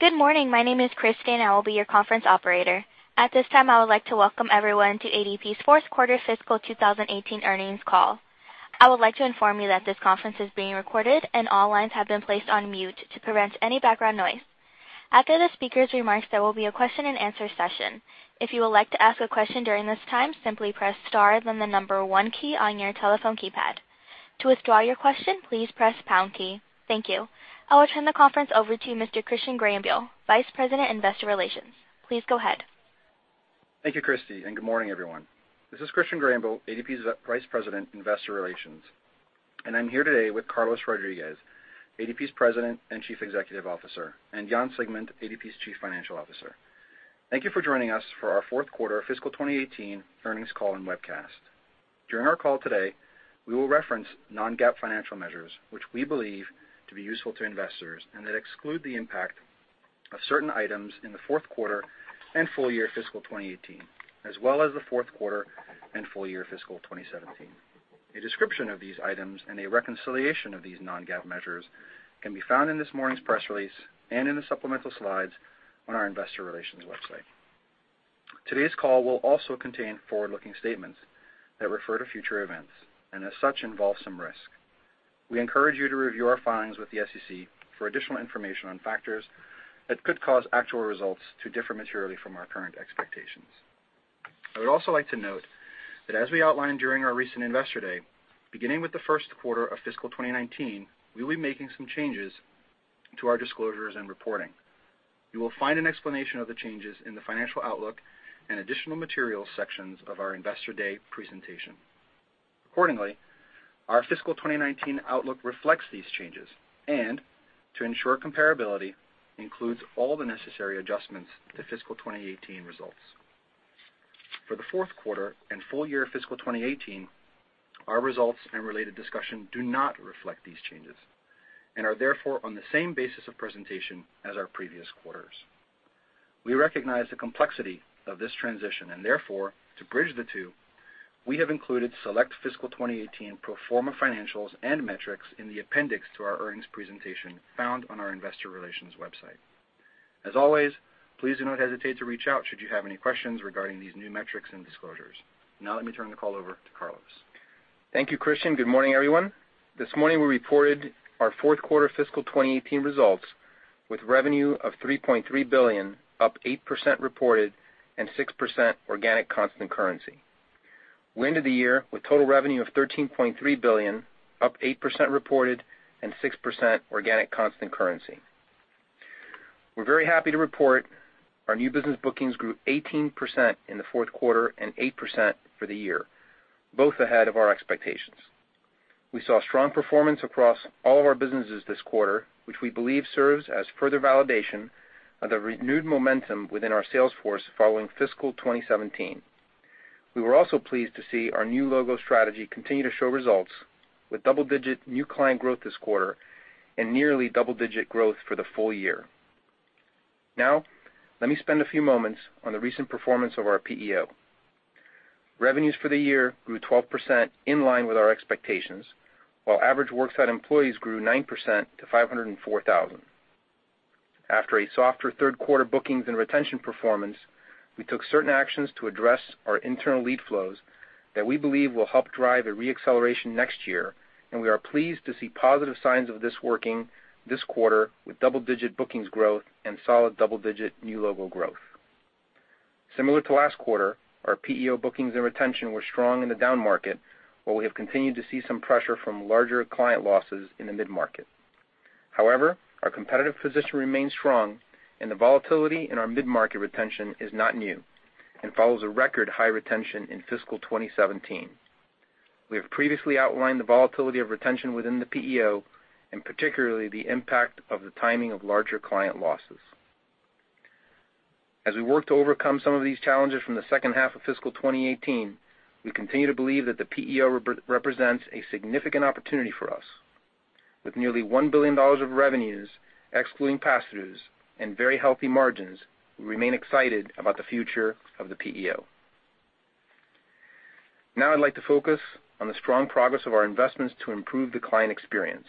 Good morning. My name is Christine, and I will be your conference operator. At this time, I would like to welcome everyone to ADP's fourth quarter fiscal 2018 earnings call. I would like to inform you that this conference is being recorded and all lines have been placed on mute to prevent any background noise. After the speaker's remarks, there will be a question and answer session. If you would like to ask a question during this time, simply press star, then the number one key on your telephone keypad. To withdraw your question, please press pound key. Thank you. I will turn the conference over to Mr. Christian Graubiel, Vice President, Investor Relations. Please go ahead. Thank you, Christie, and good morning, everyone. This is Christian Graubiel, ADP's Vice President, Investor Relations, and I'm here today with Carlos Rodriguez, ADP's President and Chief Executive Officer, and Jan Siegmund, ADP's Chief Financial Officer. Thank you for joining us for our fourth quarter fiscal 2018 earnings call and webcast. During our call today, we will reference non-GAAP financial measures, which we believe to be useful to investors and that exclude the impact of certain items in the fourth quarter and full year fiscal 2018, as well as the fourth quarter and full year fiscal 2017. A description of these items and a reconciliation of these non-GAAP measures can be found in this morning's press release and in the supplemental slides on our investor relations website. Today's call will also contain forward-looking statements that refer to future events, and as such, involve some risk. We encourage you to review our filings with the SEC for additional information on factors that could cause actual results to differ materially from our current expectations. I would also like to note that as we outlined during our recent Investor Day, beginning with the first quarter of fiscal 2019, we'll be making some changes to our disclosures and reporting. You will find an explanation of the changes in the financial outlook and additional material sections of our Investor Day presentation. Accordingly, our fiscal 2019 outlook reflects these changes and to ensure comparability includes all the necessary adjustments to fiscal 2018 results. For the fourth quarter and full year fiscal 2018, our results and related discussion do not reflect these changes and are therefore on the same basis of presentation as our previous quarters. We recognize the complexity of this transition and therefore, to bridge the two, we have included select fiscal 2018 pro forma financials and metrics in the appendix to our earnings presentation found on our investor relations website. As always, please do not hesitate to reach out should you have any questions regarding these new metrics and disclosures. Now let me turn the call over to Carlos. Thank you, Christian. Good morning, everyone. This morning we reported our fourth quarter fiscal 2018 results with revenue of $3.3 billion, up 8% reported and 6% organic constant currency. We ended the year with total revenue of $13.3 billion, up 8% reported and 6% organic constant currency. We're very happy to report our new business bookings grew 18% in the fourth quarter and 8% for the year, both ahead of our expectations. We saw strong performance across all of our businesses this quarter, which we believe serves as further validation of the renewed momentum within our sales force following fiscal 2017. We were also pleased to see our new logo strategy continue to show results with double-digit new client growth this quarter and nearly double-digit growth for the full year. Now, let me spend a few moments on the recent performance of our PEO. Revenues for the year grew 12% in line with our expectations, while average worksite employees grew 9% to 504,000. After a softer third-quarter bookings and retention performance, we took certain actions to address our internal lead flows that we believe will help drive a re-acceleration next year. We are pleased to see positive signs of this working this quarter with double-digit bookings growth and solid double-digit new logo growth. Similar to last quarter, our PEO bookings and retention were strong in the down market, while we have continued to see some pressure from larger client losses in the mid-market. However, our competitive position remains strong and the volatility in our mid-market retention is not new and follows a record high retention in fiscal 2017. We have previously outlined the volatility of retention within the PEO, and particularly the impact of the timing of larger client losses. As we work to overcome some of these challenges from the second half of fiscal 2018, we continue to believe that the PEO represents a significant opportunity for us. With nearly $1 billion of revenues, excluding passthroughs and very healthy margins, we remain excited about the future of the PEO. Now I'd like to focus on the strong progress of our investments to improve the client experience.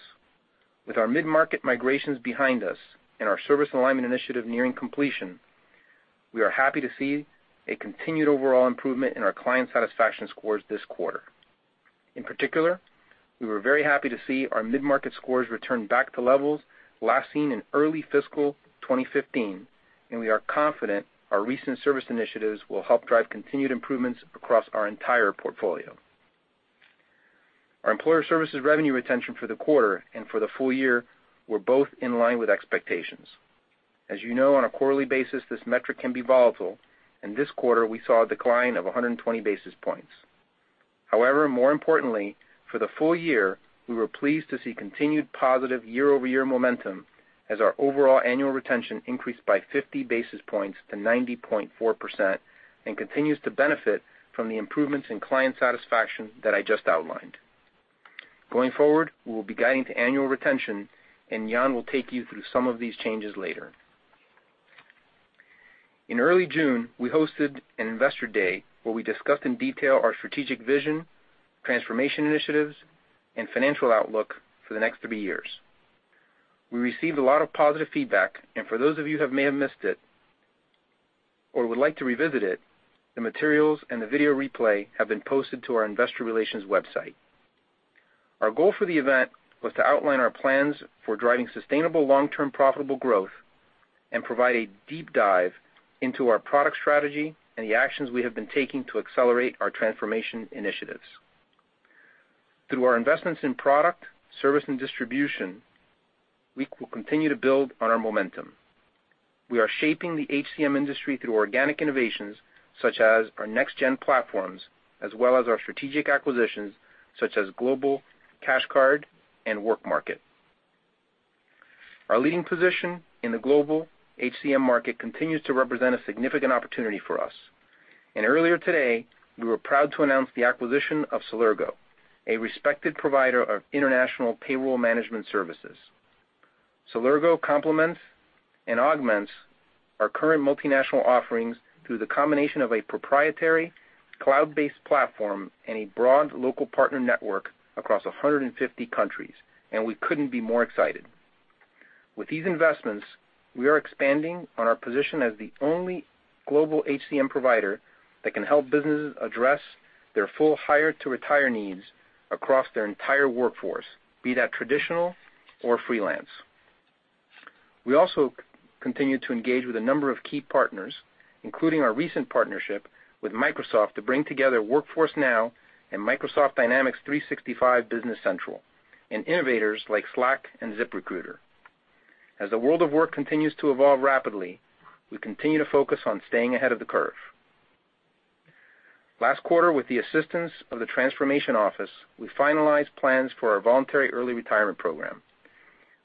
With our mid-market migrations behind us and our service alignment initiative nearing completion, we are happy to see a continued overall improvement in our client satisfaction scores this quarter. In particular, we were very happy to see our mid-market scores return back to levels last seen in early fiscal 2015. We are confident our recent service initiatives will help drive continued improvements across our entire portfolio. Our Employer Services revenue retention for the quarter and for the full year were both in line with expectations. As you know, on a quarterly basis, this metric can be volatile. This quarter we saw a decline of 120 basis points. However, more importantly, for the full year, we were pleased to see continued positive year-over-year momentum as our overall annual retention increased by 50 basis points to 90.4%. Continues to benefit from the improvements in client satisfaction that I just outlined. Going forward, we will be guiding to annual retention. Jan will take you through some of these changes later. In early June, we hosted an Investor Day where we discussed in detail our strategic vision, transformation initiatives, and financial outlook for the next three years. We received a lot of positive feedback, and for those of you who may have missed it or would like to revisit it, the materials and the video replay have been posted to our investor relations website. Our goal for the event was to outline our plans for driving sustainable long-term profitable growth and provide a deep dive into our product strategy and the actions we have been taking to accelerate our transformation initiatives. Through our investments in product, service, and distribution, we will continue to build on our momentum. We are shaping the HCM industry through organic innovations such as our next-gen platforms, as well as our strategic acquisitions, such as Global Cash Card and WorkMarket. Our leading position in the global HCM market continues to represent a significant opportunity for us. Earlier today, we were proud to announce the acquisition of Celergo, a respected provider of international payroll management services. Celergo complements and augments our current multinational offerings through the combination of a proprietary cloud-based platform and a broad local partner network across 150 countries. We couldn't be more excited. With these investments, we are expanding on our position as the only global HCM provider that can help businesses address their full hire-to-retire needs across their entire workforce, be that traditional or freelance. We also continue to engage with a number of key partners, including our recent partnership with Microsoft to bring together Workforce Now and Microsoft Dynamics 365 Business Central, and innovators like Slack and ZipRecruiter. As the world of work continues to evolve rapidly, we continue to focus on staying ahead of the curve. Last quarter, with the assistance of the transformation office, we finalized plans for our voluntary early retirement program.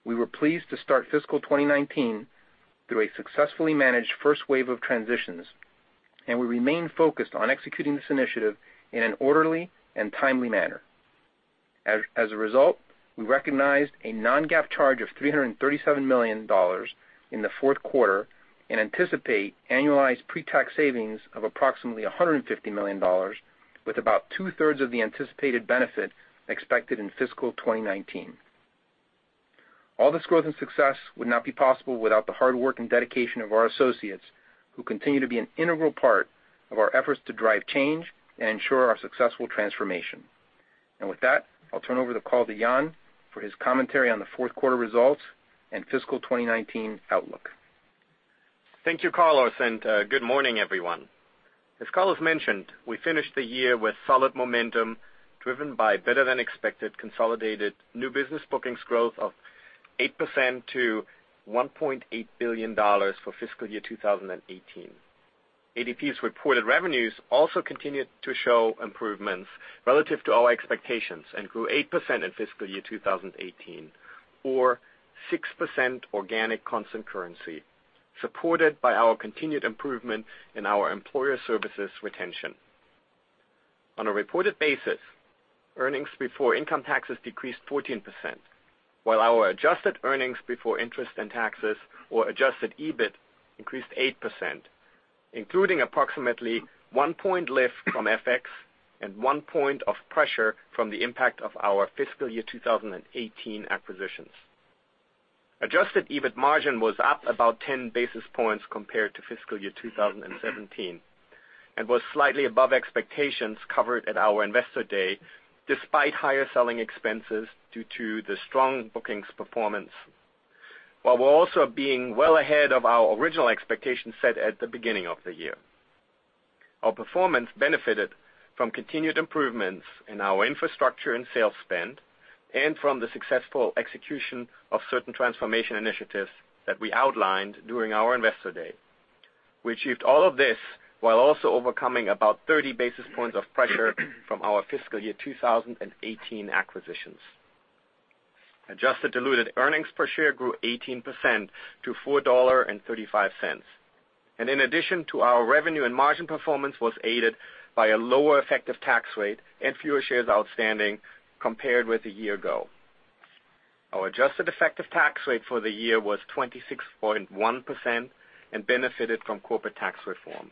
We were pleased to start fiscal 2019 through a successfully managed first wave of transitions, and we remain focused on executing this initiative in an orderly and timely manner. As a result, we recognized a non-GAAP charge of $337 million in the fourth quarter and anticipate annualized pre-tax savings of approximately $150 million with about two-thirds of the anticipated benefit expected in fiscal 2019. All this growth and success would not be possible without the hard work and dedication of our associates, who continue to be an integral part of our efforts to drive change and ensure our successful transformation. With that, I'll turn over the call to Jan for his commentary on the fourth quarter results and fiscal 2019 outlook. Thank you, Carlos, and good morning, everyone. As Carlos mentioned, we finished the year with solid momentum driven by better-than-expected consolidated new business bookings growth of 8% to $1.8 billion for fiscal year 2018. ADP's reported revenues also continued to show improvements relative to our expectations and grew 8% in fiscal year 2018 or 6% organic constant currency, supported by our continued improvement in our Employer Services retention. On a reported basis, earnings before income taxes decreased 14%, while our adjusted earnings before interest and taxes, or adjusted EBIT, increased 8%, including approximately 1 point lift from FX and 1 point of pressure from the impact of our fiscal year 2018 acquisitions. Adjusted EBIT margin was up about 10 basis points compared to fiscal year 2017 and was slightly above expectations covered at our Investor Day, despite higher selling expenses due to the strong bookings performance, while we're also being well ahead of our original expectations set at the beginning of the year. Our performance benefited from continued improvements in our infrastructure and sales spend and from the successful execution of certain transformation initiatives that we outlined during our Investor Day. We achieved all of this while also overcoming about 30 basis points of pressure from our fiscal year 2018 acquisitions. Adjusted diluted earnings per share grew 18% to $4.35. In addition to our revenue and margin performance was aided by a lower effective tax rate and fewer shares outstanding compared with a year ago. Our adjusted effective tax rate for the year was 26.1% and benefited from corporate tax reform.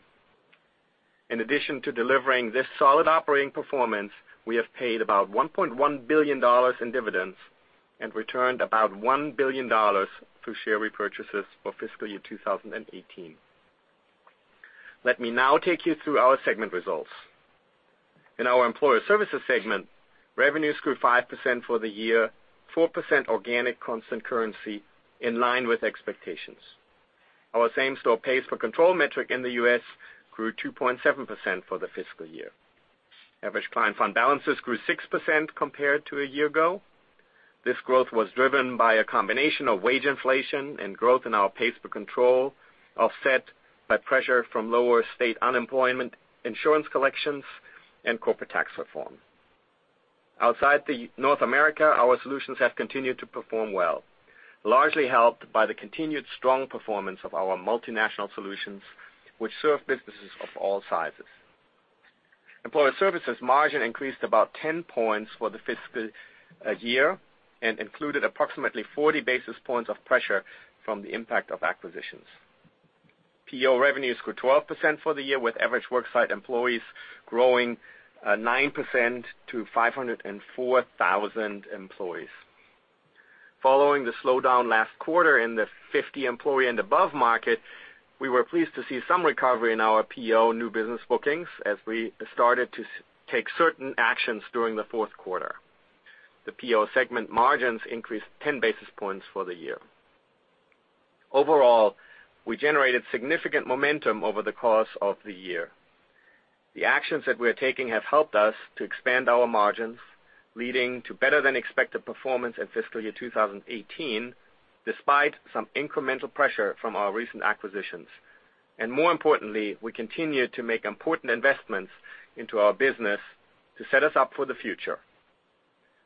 In addition to delivering this solid operating performance, we have paid about $1.1 billion in dividends and returned about $1 billion through share repurchases for fiscal year 2018. Let me now take you through our segment results. In our Employer Services segment, revenues grew 5% for the year, 4% organic constant currency in line with expectations. Our same-store pace for control metric in the U.S. grew 2.7% for the fiscal year. Average client fund balances grew 6% compared to a year ago. This growth was driven by a combination of wage inflation and growth in our pace for control, offset by pressure from lower State Unemployment Insurance collections and corporate tax reform. Outside the North America, our solutions have continued to perform well, largely helped by the continued strong performance of our multinational solutions, which serve businesses of all sizes. Employer Services margin increased about 10 points for the fiscal year and included approximately 40 basis points of pressure from the impact of acquisitions. PEO revenues grew 12% for the year, with average worksite employees growing 9% to 504,000 employees. Following the slowdown last quarter in the 50 employee and above market, we were pleased to see some recovery in our PEO new business bookings as we started to take certain actions during the fourth quarter. The PEO segment margins increased 10 basis points for the year. Overall, we generated significant momentum over the course of the year. The actions that we're taking have helped us to expand our margins, leading to better than expected performance in fiscal year 2018, despite some incremental pressure from our recent acquisitions. More importantly, we continue to make important investments into our business to set us up for the future.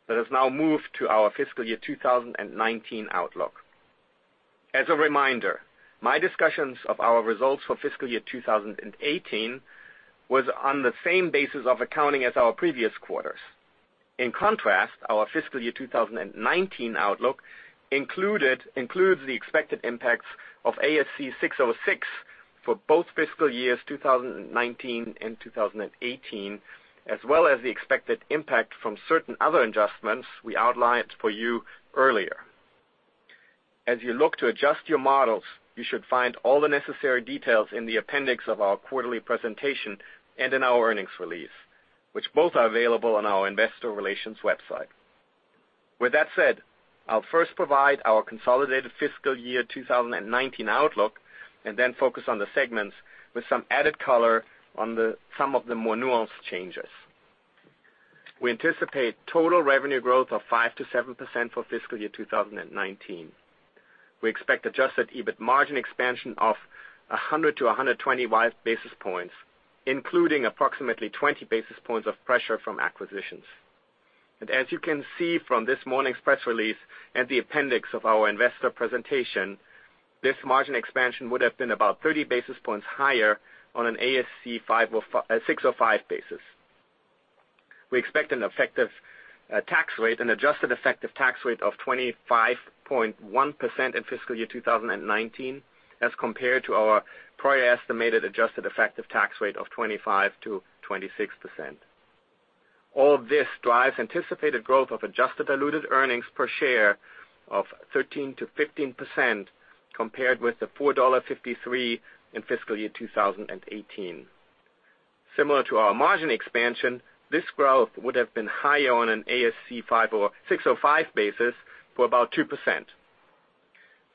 Let us now move to our fiscal year 2019 outlook. As a reminder, my discussions of our results for fiscal year 2018 was on the same basis of accounting as our previous quarters. In contrast, our fiscal year 2019 outlook includes the expected impacts of ASC 606 for both fiscal years 2019 and 2018, as well as the expected impact from certain other adjustments we outlined for you earlier. As you look to adjust your models, you should find all the necessary details in the appendix of our quarterly presentation and in our earnings release, which both are available on our investor relations website. With that said, I'll first provide our consolidated fiscal year 2019 outlook and then focus on the segments with some added color on some of the more nuanced changes. We anticipate total revenue growth of 5%-7% for fiscal year 2019. We expect adjusted EBIT margin expansion of 100-125 basis points, including approximately 20 basis points of pressure from acquisitions. As you can see from this morning's press release and the appendix of our investor presentation, this margin expansion would have been about 30 basis points higher on an ASC 605 basis. We expect an adjusted effective tax rate of 25.1% in fiscal year 2019 as compared to our prior estimated adjusted effective tax rate of 25%-26%. All of this drives anticipated growth of adjusted diluted earnings per share of 13%-15% compared with the $4.53 in fiscal year 2018. Similar to our margin expansion, this growth would have been higher on an ASC 605 basis for about 2%.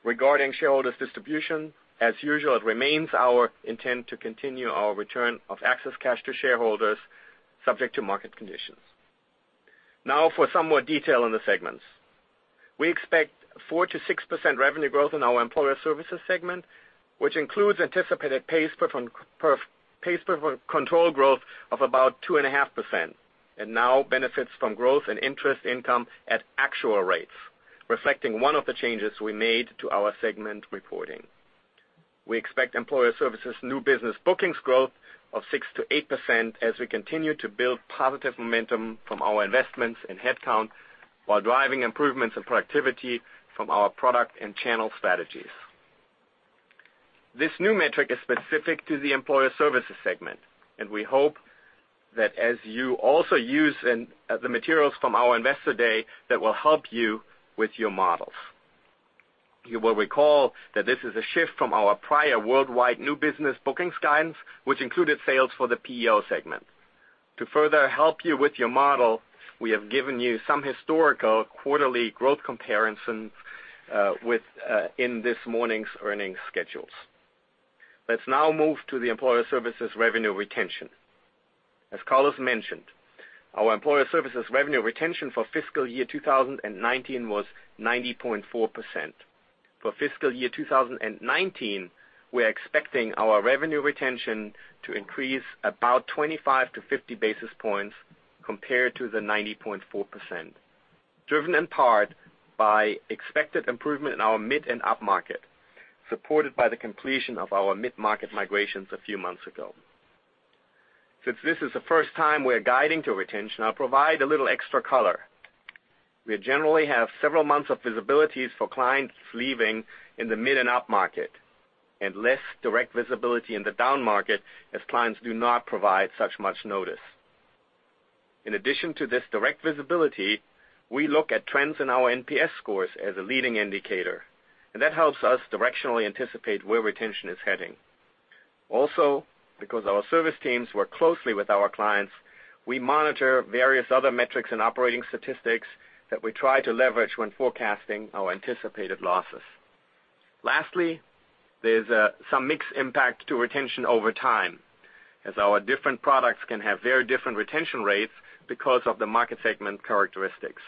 Regarding shareholders distribution, as usual, it remains our intent to continue our return of excess cash to shareholders subject to market conditions. Now for some more detail on the segments. We expect 4%-6% revenue growth in our Employer Services segment, which includes anticipated pace control growth of about 2.5% and now benefits from growth and interest income at actual rates, reflecting one of the changes we made to our segment reporting. We expect Employer Services new business bookings growth of 6%-8% as we continue to build positive momentum from our investments in headcount while driving improvements in productivity from our product and channel strategies. This new metric is specific to the Employer Services segment, and we hope that as you also use the materials from our Investor Day, that will help you with your models. You will recall that this is a shift from our prior worldwide new business bookings guidance, which included sales for the PEO segment. To further help you with your model, we have given you some historical quarterly growth comparisons in this morning's earnings schedules. Let's now move to the Employer Services revenue retention. As Carlos mentioned, our Employer Services revenue retention for fiscal year 2019 was 90.4%. For fiscal year 2019, we're expecting our revenue retention to increase about 25-50 basis points compared to the 90.4%, driven in part by expected improvement in our mid- and upmarket, supported by the completion of our mid-market migrations a few months ago. Since this is the first time we're guiding to retention, I'll provide a little extra color. We generally have several months of visibilities for clients leaving in the mid- and upmarket, and less direct visibility in the downmarket as clients do not provide as much notice. In addition to this direct visibility, we look at trends in our NPS scores as a leading indicator, that helps us directionally anticipate where retention is heading. Also, because our service teams work closely with our clients, we monitor various other metrics and operating statistics that we try to leverage when forecasting our anticipated losses. Lastly, there's some mixed impact to retention over time, as our different products can have very different retention rates because of the market segment characteristics.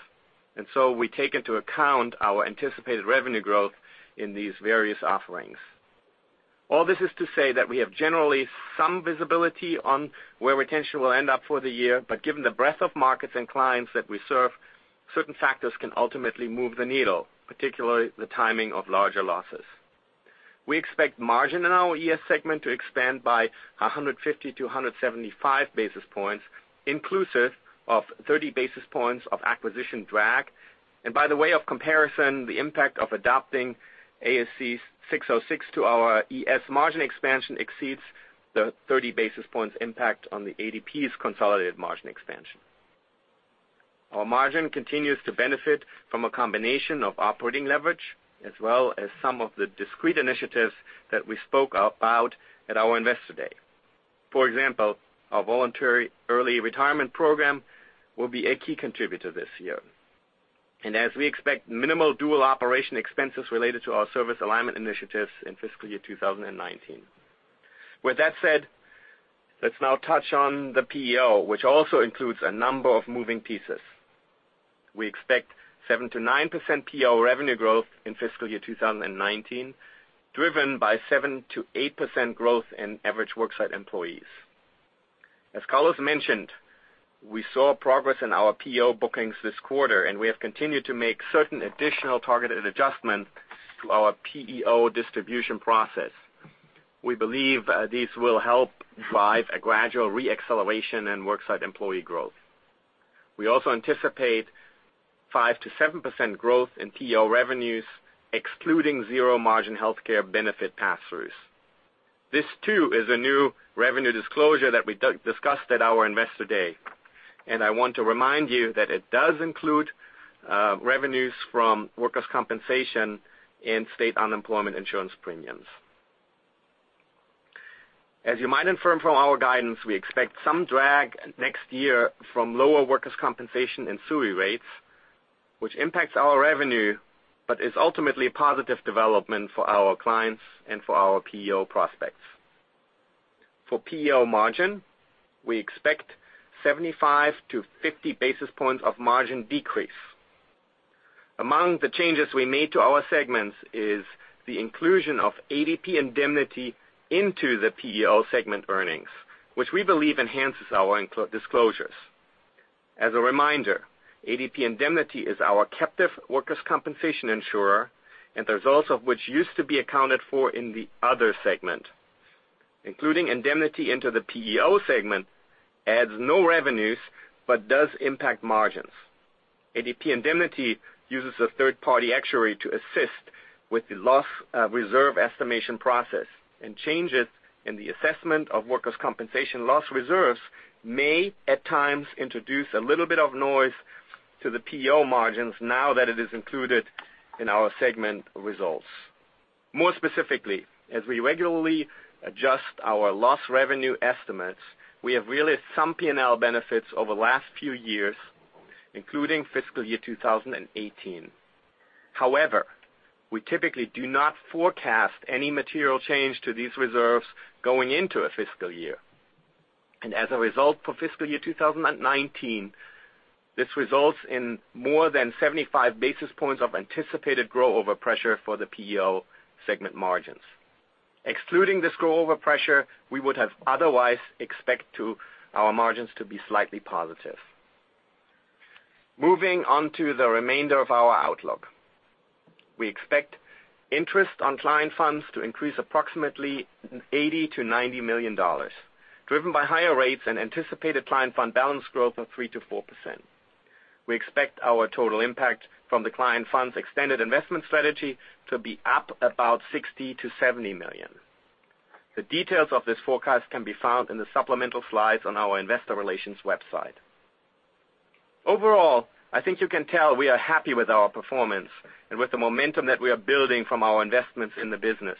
We take into account our anticipated revenue growth in these various offerings. All this is to say that we have generally some visibility on where retention will end up for the year, but given the breadth of markets and clients that we serve, certain factors can ultimately move the needle, particularly the timing of larger losses. We expect margin in our ES segment to expand by 150-175 basis points, inclusive of 30 basis points of acquisition drag. By the way of comparison, the impact of adopting ASC 606 to our ES margin expansion exceeds the 30 basis points impact on ADP's consolidated margin expansion. Our margin continues to benefit from a combination of operating leverage, as well as some of the discrete initiatives that we spoke about at our Investor Day. For example, our voluntary early retirement program will be a key contributor this year. As we expect minimal dual operation expenses related to our service alignment initiatives in fiscal year 2019. With that said, let's now touch on the PEO, which also includes a number of moving pieces. We expect 7%-9% PEO revenue growth in fiscal year 2019, driven by 7%-8% growth in average worksite employees. As Carlos mentioned, we saw progress in our PEO bookings this quarter, we have continued to make certain additional targeted adjustments to our PEO distribution process. We believe these will help drive a gradual re-acceleration in worksite employee growth. We also anticipate 5%-7% growth in PEO revenues, excluding zero margin healthcare benefit pass-throughs. This too is a new revenue disclosure that we discussed at our Investor Day, I want to remind you that it does include revenues from workers' compensation and state unemployment insurance premiums. As you might infer from our guidance, we expect some drag next year from lower workers' compensation and SUI rates, which impacts our revenue, but is ultimately a positive development for our clients and for our PEO prospects. For PEO margin, we expect 75 to 50 basis points of margin decrease. Among the changes we made to our segments is the inclusion of ADP Indemnity into the PEO segment earnings, which we believe enhances our disclosures. As a reminder, ADP Indemnity is our captive workers' compensation insurer, the results of which used to be accounted for in the other segment. Including indemnity into the PEO segment adds no revenues, but does impact margins. ADP Indemnity uses a third-party actuary to assist with the loss reserve estimation process, changes in the assessment of workers' compensation loss reserves may, at times, introduce a little bit of noise to the PEO margins now that it is included in our segment results. More specifically, as we regularly adjust our loss revenue estimates, we have realized some P&L benefits over the last few years, including fiscal year 2018. However, we typically do not forecast any material change to these reserves going into a fiscal year. As a result, for fiscal year 2019, this results in more than 75 basis points of anticipated grow-over pressure for the PEO segment margins. Excluding this grow-over pressure, we would have otherwise expect our margins to be slightly positive. Moving on to the remainder of our outlook. We expect interest on client funds to increase approximately $80 million to $90 million, driven by higher rates and anticipated client fund balance growth of 3%-4%. We expect our total impact from the client funds extended investment strategy to be up about $60 million to $70 million. The details of this forecast can be found in the supplemental slides on our investor relations website. Overall, I think you can tell we are happy with our performance and with the momentum that we are building from our investments in the business.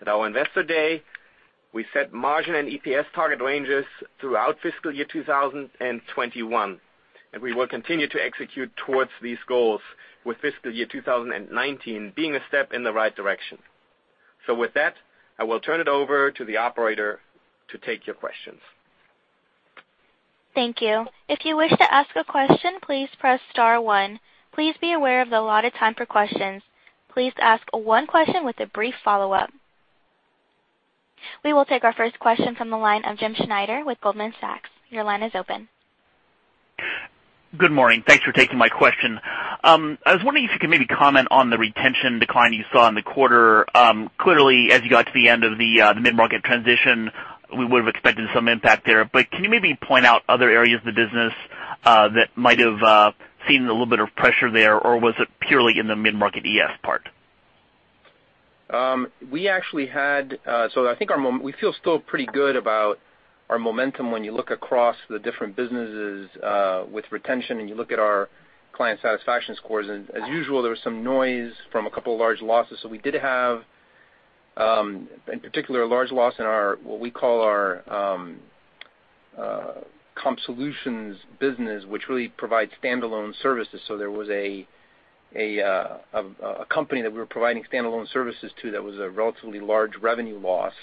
At our Investor Day, we set margin and EPS target ranges throughout fiscal year 2021. We will continue to execute towards these goals, with fiscal year 2019 being a step in the right direction. With that, I will turn it over to the operator to take your questions. Thank you. If you wish to ask a question, please press star one. Please be aware of the allotted time for questions. Please ask one question with a brief follow-up. We will take our first question from the line of James Schneider with Goldman Sachs. Your line is open. Good morning. Thanks for taking my question. I was wondering if you could maybe comment on the retention decline you saw in the quarter. Clearly, as you got to the end of the mid-market transition, we would have expected some impact there. Can you maybe point out other areas of the business that might have seen a little bit of pressure there? Was it purely in the mid-market ES part? We feel still pretty good about our momentum when you look across the different businesses with retention, and you look at our client satisfaction scores. As usual, there was some noise from a couple of large losses. We did have, in particular, a large loss in what we call our comp solutions business, which really provides standalone services. There was a company that we were providing standalone services to that was a relatively large revenue loss,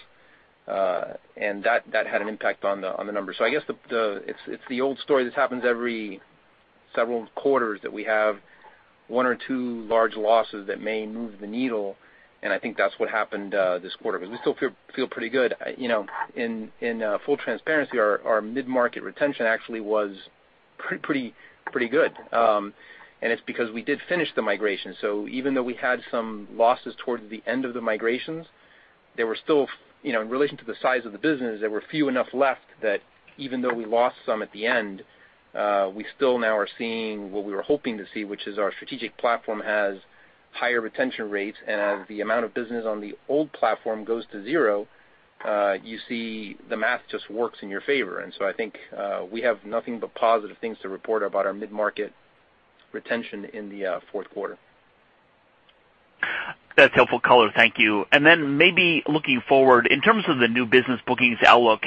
and that had an impact on the numbers. I guess it's the old story. This happens every several quarters that we have one or two large losses that may move the needle, and I think that's what happened this quarter, because we still feel pretty good. In full transparency, our mid-market retention actually was Pretty good. It's because we did finish the migration. Even though we had some losses towards the end of the migrations, in relation to the size of the business, there were few enough left that even though we lost some at the end, we still now are seeing what we were hoping to see, which is our strategic platform has higher retention rates. As the amount of business on the old platform goes to zero, you see the math just works in your favor. I think we have nothing but positive things to report about our mid-market retention in the fourth quarter. That's helpful color. Thank you. Then maybe looking forward, in terms of the new business bookings outlook,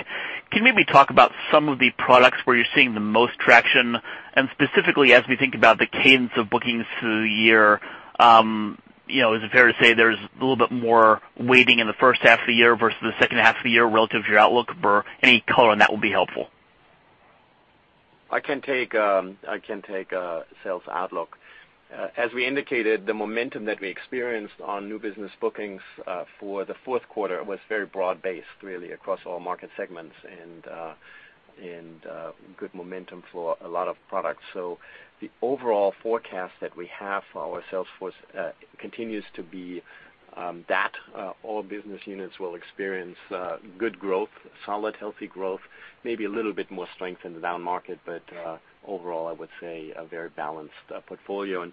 can you maybe talk about some of the products where you're seeing the most traction? Specifically, as we think about the cadence of bookings through the year, is it fair to say there's a little bit more weighting in the first half of the year versus the second half of the year relative to your outlook? Any color on that will be helpful. I can take sales outlook. As we indicated, the momentum that we experienced on new business bookings for the fourth quarter was very broad-based, really across all market segments, and good momentum for a lot of products. The overall forecast that we have for our sales force continues to be that all business units will experience good growth, solid, healthy growth, maybe a little bit more strength in the down market. Overall, I would say a very balanced portfolio.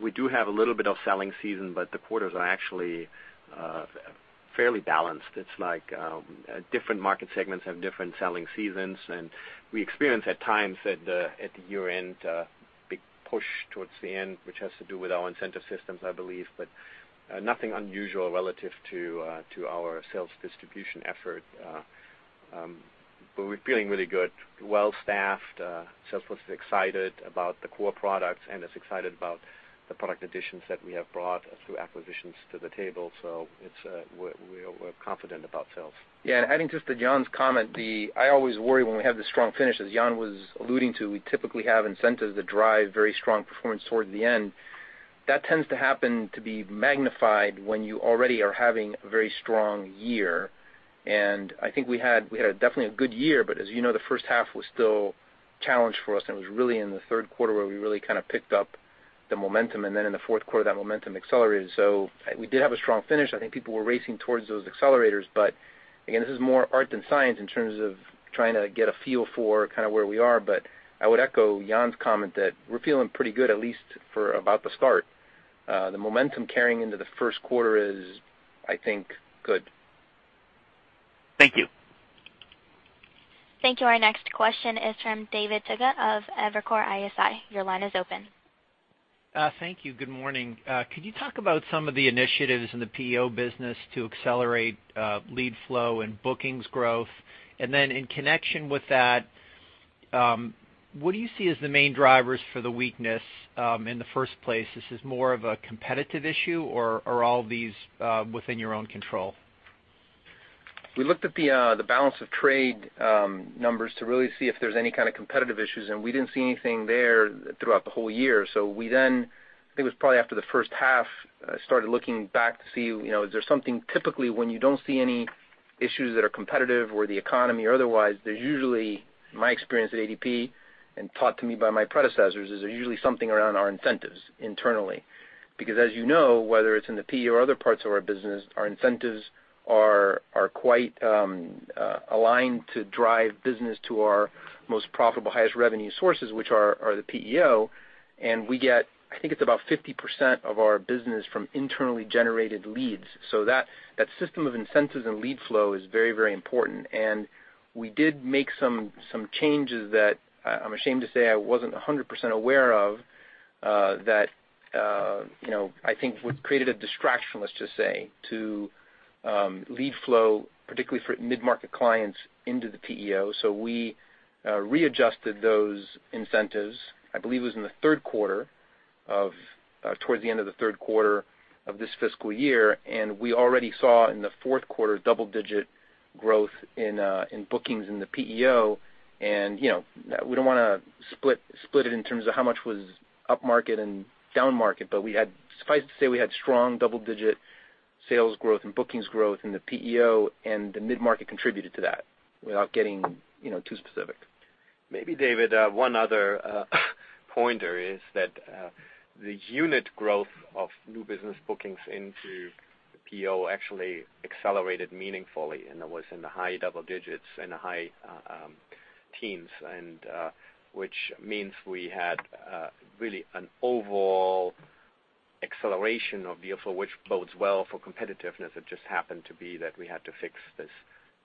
We do have a little bit of selling season, but the quarters are actually fairly balanced. It's like different market segments have different selling seasons, and we experience at times at the year-end, a big push towards the end, which has to do with our incentive systems, I believe, but nothing unusual relative to our sales distribution effort. We're feeling really good, well-staffed. Sales force is excited about the core products and is excited about the product additions that we have brought through acquisitions to the table. We're confident about sales. Adding just to Jan's comment, I always worry when we have the strong finishes Jan was alluding to. We typically have incentives that drive very strong performance towards the end. That tends to happen to be magnified when you already are having a very strong year. I think we had definitely a good year, but as you know, the first half was still a challenge for us, and it was really in the third quarter where we really picked up the momentum, and then in the fourth quarter, that momentum accelerated. We did have a strong finish. I think people were racing towards those accelerators, but again, this is more art than science in terms of trying to get a feel for where we are. I would echo Jan's comment that we're feeling pretty good, at least for about the start. The momentum carrying into the first quarter is, I think, good. Thank you. Thank you. Our next question is from David Togut of Evercore ISI. Your line is open. Thank you. Good morning. Could you talk about some of the initiatives in the PEO business to accelerate lead flow and bookings growth? Then in connection with that, what do you see as the main drivers for the weakness in the first place? Is this more of a competitive issue, or are all these within your own control? We looked at the balance of trade numbers to really see if there's any kind of competitive issues, and we didn't see anything there throughout the whole year. We then, I think it was probably after the first half, started looking back to see, is there something Typically, when you don't see any issues that are competitive or the economy or otherwise, in my experience at ADP, and taught to me by my predecessors, is there usually something around our incentives internally. As you know, whether it's in the PEO or other parts of our business, our incentives are quite aligned to drive business to our most profitable, highest revenue sources, which are the PEO. We get, I think it's about 50% of our business from internally generated leads. That system of incentives and lead flow is very important, and we did make some changes that I'm ashamed to say I wasn't 100% aware of, that I think created a distraction, let's just say, to lead flow, particularly for mid-market clients into the PEO. We readjusted those incentives, I believe it was in the third quarter, towards the end of the third quarter of this fiscal year, and we already saw in the fourth quarter double-digit growth in bookings in the PEO. We don't want to split it in terms of how much was upmarket and downmarket, but suffice to say we had strong double-digit sales growth and bookings growth in the PEO, and the mid-market contributed to that, without getting too specific. Maybe, David, one other pointer is that the unit growth of new business bookings into the PEO actually accelerated meaningfully, and it was in the high double digits and the high teens, which means we had really an overall acceleration of the flow, which bodes well for competitiveness. It just happened to be that we had to fix this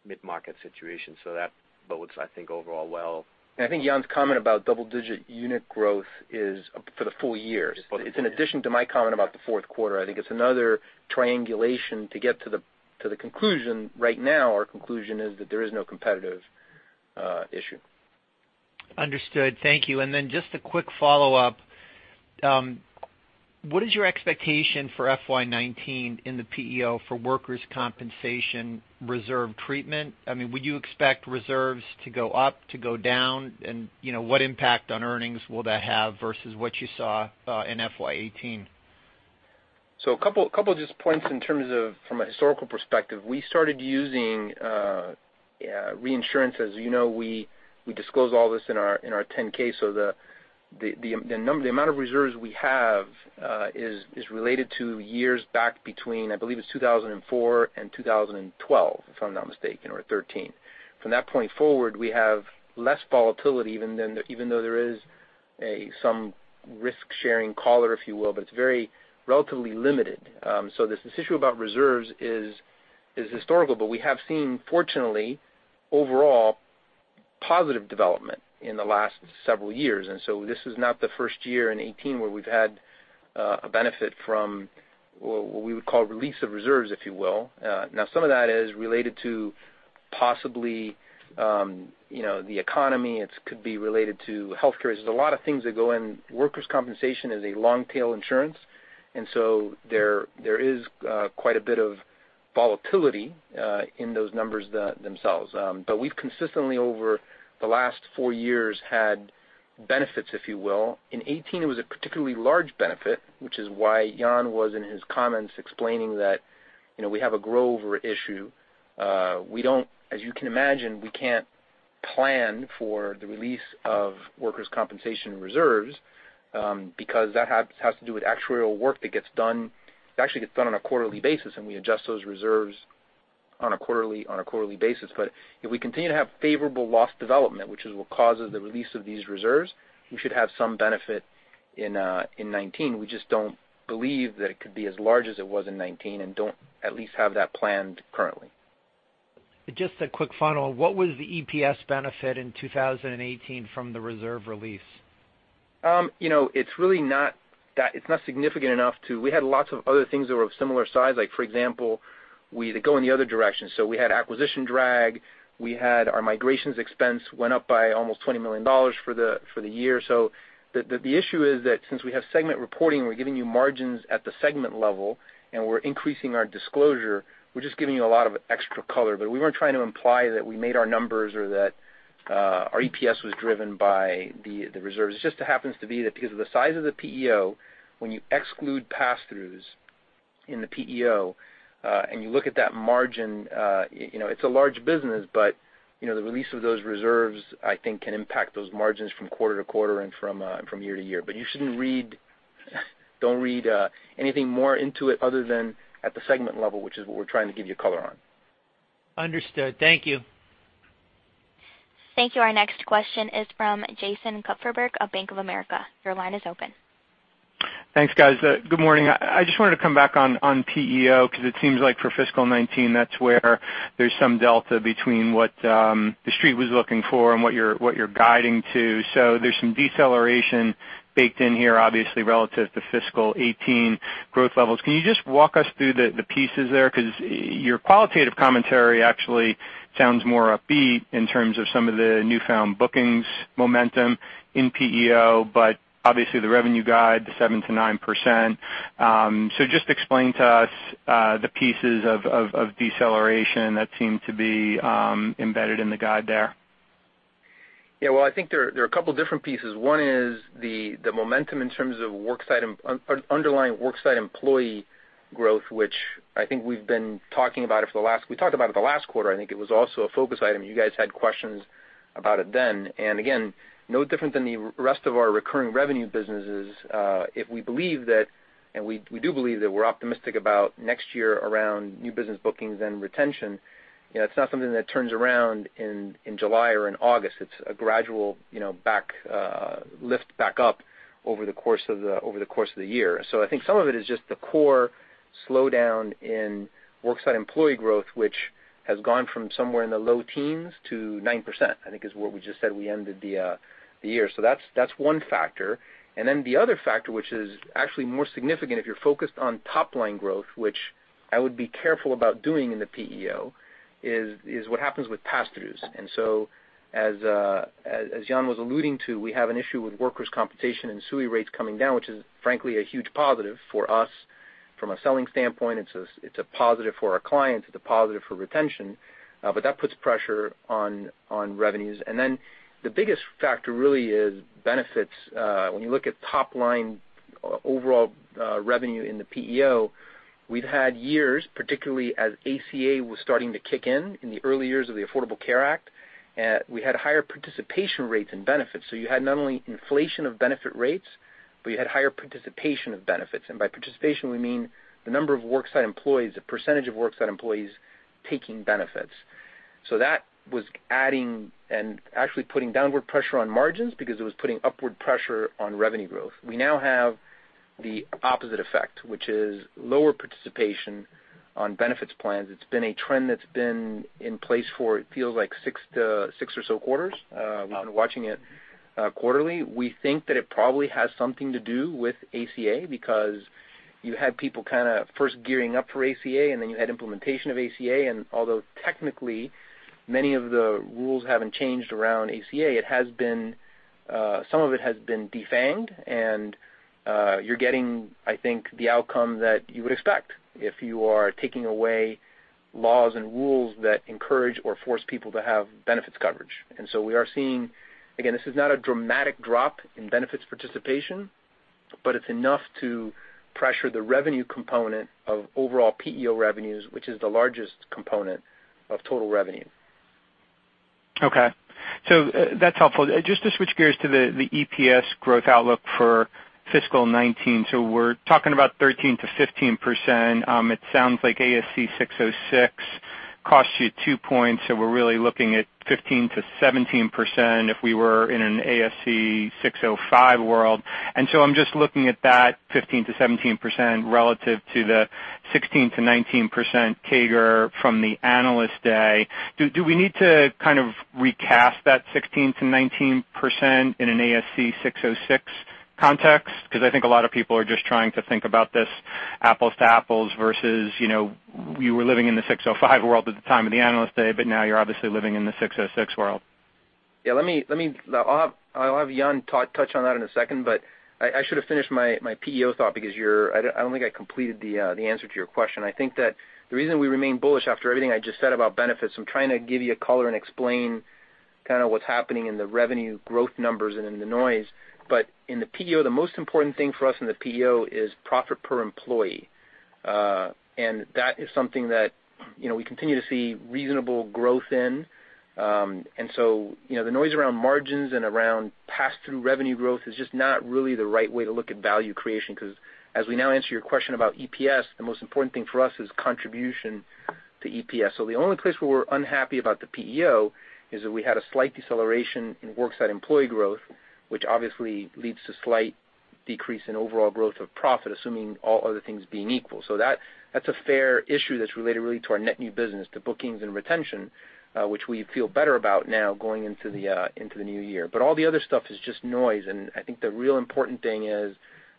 mid-market situation. That bodes, I think, overall well. I think Jan's comment about double-digit unit growth is for the full year. It's in addition to my comment about the fourth quarter. I think it's another triangulation to get to the conclusion. Right now, our conclusion is that there is no competitive issue. Understood. Thank you. Then just a quick follow-up. What is your expectation for FY 2019 in the PEO for workers' compensation reserve treatment? Would you expect reserves to go up, to go down, and what impact on earnings will that have versus what you saw in FY 2018? A couple of just points in terms of from a historical perspective, we started using reinsurance. As you know, we disclose all this in our 10-K. The amount of reserves we have is related to years back between, I believe it's 2004 and 2012, if I'm not mistaken, or 2013. From that point forward, we have less volatility even though there is some risk-sharing collar, if you will, but it's very relatively limited. This issue about reserves is historical, but we have seen, fortunately, overall positive development in the last several years. This is not the first year in 2018 where we've had a benefit from what we would call release of reserves, if you will. Now, some of that is related to possibly the economy. It could be related to healthcare. There's a lot of things that go in. Workers' compensation is a long-tail insurance, there is quite a bit of volatility in those numbers themselves. We've consistently, over the last four years, had benefits, if you will. In 2018, it was a particularly large benefit, which is why Jan Siegmund was, in his comments, explaining that we have a grow-over issue. As you can imagine, we can't plan for the release of workers' compensation reserves, because that has to do with actuarial work that gets done. It actually gets done on a quarterly basis, and we adjust those reserves on a quarterly basis. If we continue to have favorable loss development, which is what causes the release of these reserves, we should have some benefit in 2019. We just don't believe that it could be as large as it was in 2019 and don't at least have that planned currently. Just a quick follow. What was the EPS benefit in 2018 from the reserve release? We had lots of other things that were of similar size. Like for example, we go in the other direction. We had acquisition drag. We had our migrations expense went up by almost $20 million for the year. The issue is that since we have segment reporting, we're giving you margins at the segment level, and we're increasing our disclosure. We're just giving you a lot of extra color. We weren't trying to imply that we made our numbers or that our EPS was driven by the reserves. It just happens to be that because of the size of the PEO, when you exclude passthroughs in the PEO, and you look at that margin, it's a large business, the release of those reserves, I think, can impact those margins from quarter to quarter and from year to year. Don't read anything more into it other than at the segment level, which is what we're trying to give you color on. Understood. Thank you. Thank you. Our next question is from Jason Kupferberg of Bank of America. Your line is open. Thanks, guys. Good morning. I just wanted to come back on PEO because it seems like for fiscal 2019, that's where there's some delta between what the street was looking for and what you're guiding to. There's some deceleration baked in here, obviously relative to fiscal 2018 growth levels. Can you just walk us through the pieces there? Because your qualitative commentary actually sounds more upbeat in terms of some of the newfound bookings momentum in PEO, but obviously the revenue guide, the 7%-9%. Just explain to us the pieces of deceleration that seem to be embedded in the guide there. Well, I think there are a couple different pieces. One is the momentum in terms of underlying worksite employee growth, which I think we've been talking about it for the last We talked about it the last quarter. I think it was also a focus item. You guys had questions about it then. Again, no different than the rest of our recurring revenue businesses, if we believe that, and we do believe that we're optimistic about next year around new business bookings and retention, it's not something that turns around in July or in August. It's a gradual lift back up over the course of the year. I think some of it is just the core slowdown in worksite employee growth, which has gone from somewhere in the low teens to 9%, I think is what we just said we ended the year. That's one factor. The other factor, which is actually more significant if you're focused on top-line growth, which I would be careful about doing in the PEO, is what happens with passthroughs. As Jan was alluding to, we have an issue with workers' compensation and SUI rates coming down, which is frankly a huge positive for us from a selling standpoint. It's a positive for our clients. It's a positive for retention. That puts pressure on revenues. The biggest factor really is benefits. When you look at top-line overall revenue in the PEO, we've had years, particularly as ACA was starting to kick in the early years of the Affordable Care Act, we had higher participation rates in benefits. You had not only inflation of benefit rates, but you had higher participation of benefits. By participation, we mean the number of worksite employees, the percentage of worksite employees taking benefits. That was adding and actually putting downward pressure on margins because it was putting upward pressure on revenue growth. We now have the opposite effect, which is lower participation on benefits plans. It's been a trend that's been in place for it feels like six or so quarters. We've been watching it quarterly. We think that it probably has something to do with ACA because you had people kind of first gearing up for ACA, then you had implementation of ACA. Although technically many of the rules haven't changed around ACA, some of it has been defanged, and you're getting, I think, the outcome that you would expect if you are taking away laws and rules that encourage or force people to have benefits coverage. We are seeing, again, this is not a dramatic drop in benefits participation, but it's enough to pressure the revenue component of overall PEO revenues, which is the largest component of total revenue. That's helpful. Just to switch gears to the EPS growth outlook for fiscal 2019. We're talking about 13%-15%. It sounds like ASC 606 costs you two points, so we're really looking at 15%-17% if we were in an ASC 605 world. I'm just looking at that 15%-17% relative to the 16%-19% CAGR from the Analyst Day. Do we need to kind of recast that 16%-19% in an ASC 606 context? Because I think a lot of people are just trying to think about this apples to apples versus, you were living in the 605 world at the time of the Analyst Day, but now you're obviously living in the 606 world. Yeah, I'll have Jan touch on that in a second, I should have finished my PEO thought because I don't think I completed the answer to your question. I think that the reason we remain bullish after everything I just said about benefits, I'm trying to give you a color and explain kind of what's happening in the revenue growth numbers and in the noise. In the PEO, the most important thing for us in the PEO is profit per employee. That is something that we continue to see reasonable growth in. The noise around margins and around pass-through revenue growth is just not really the right way to look at value creation, because as we now answer your question about EPS, the most important thing for us is contribution to EPS. The only place where we're unhappy about the PEO is that we had a slight deceleration in worksite employee growth, which obviously leads to slight decrease in overall growth of profit, assuming all other things being equal. That's a fair issue that's related really to our net new business, to bookings and retention, which we feel better about now going into the new year. All the other stuff is just noise, and I think the real important thing is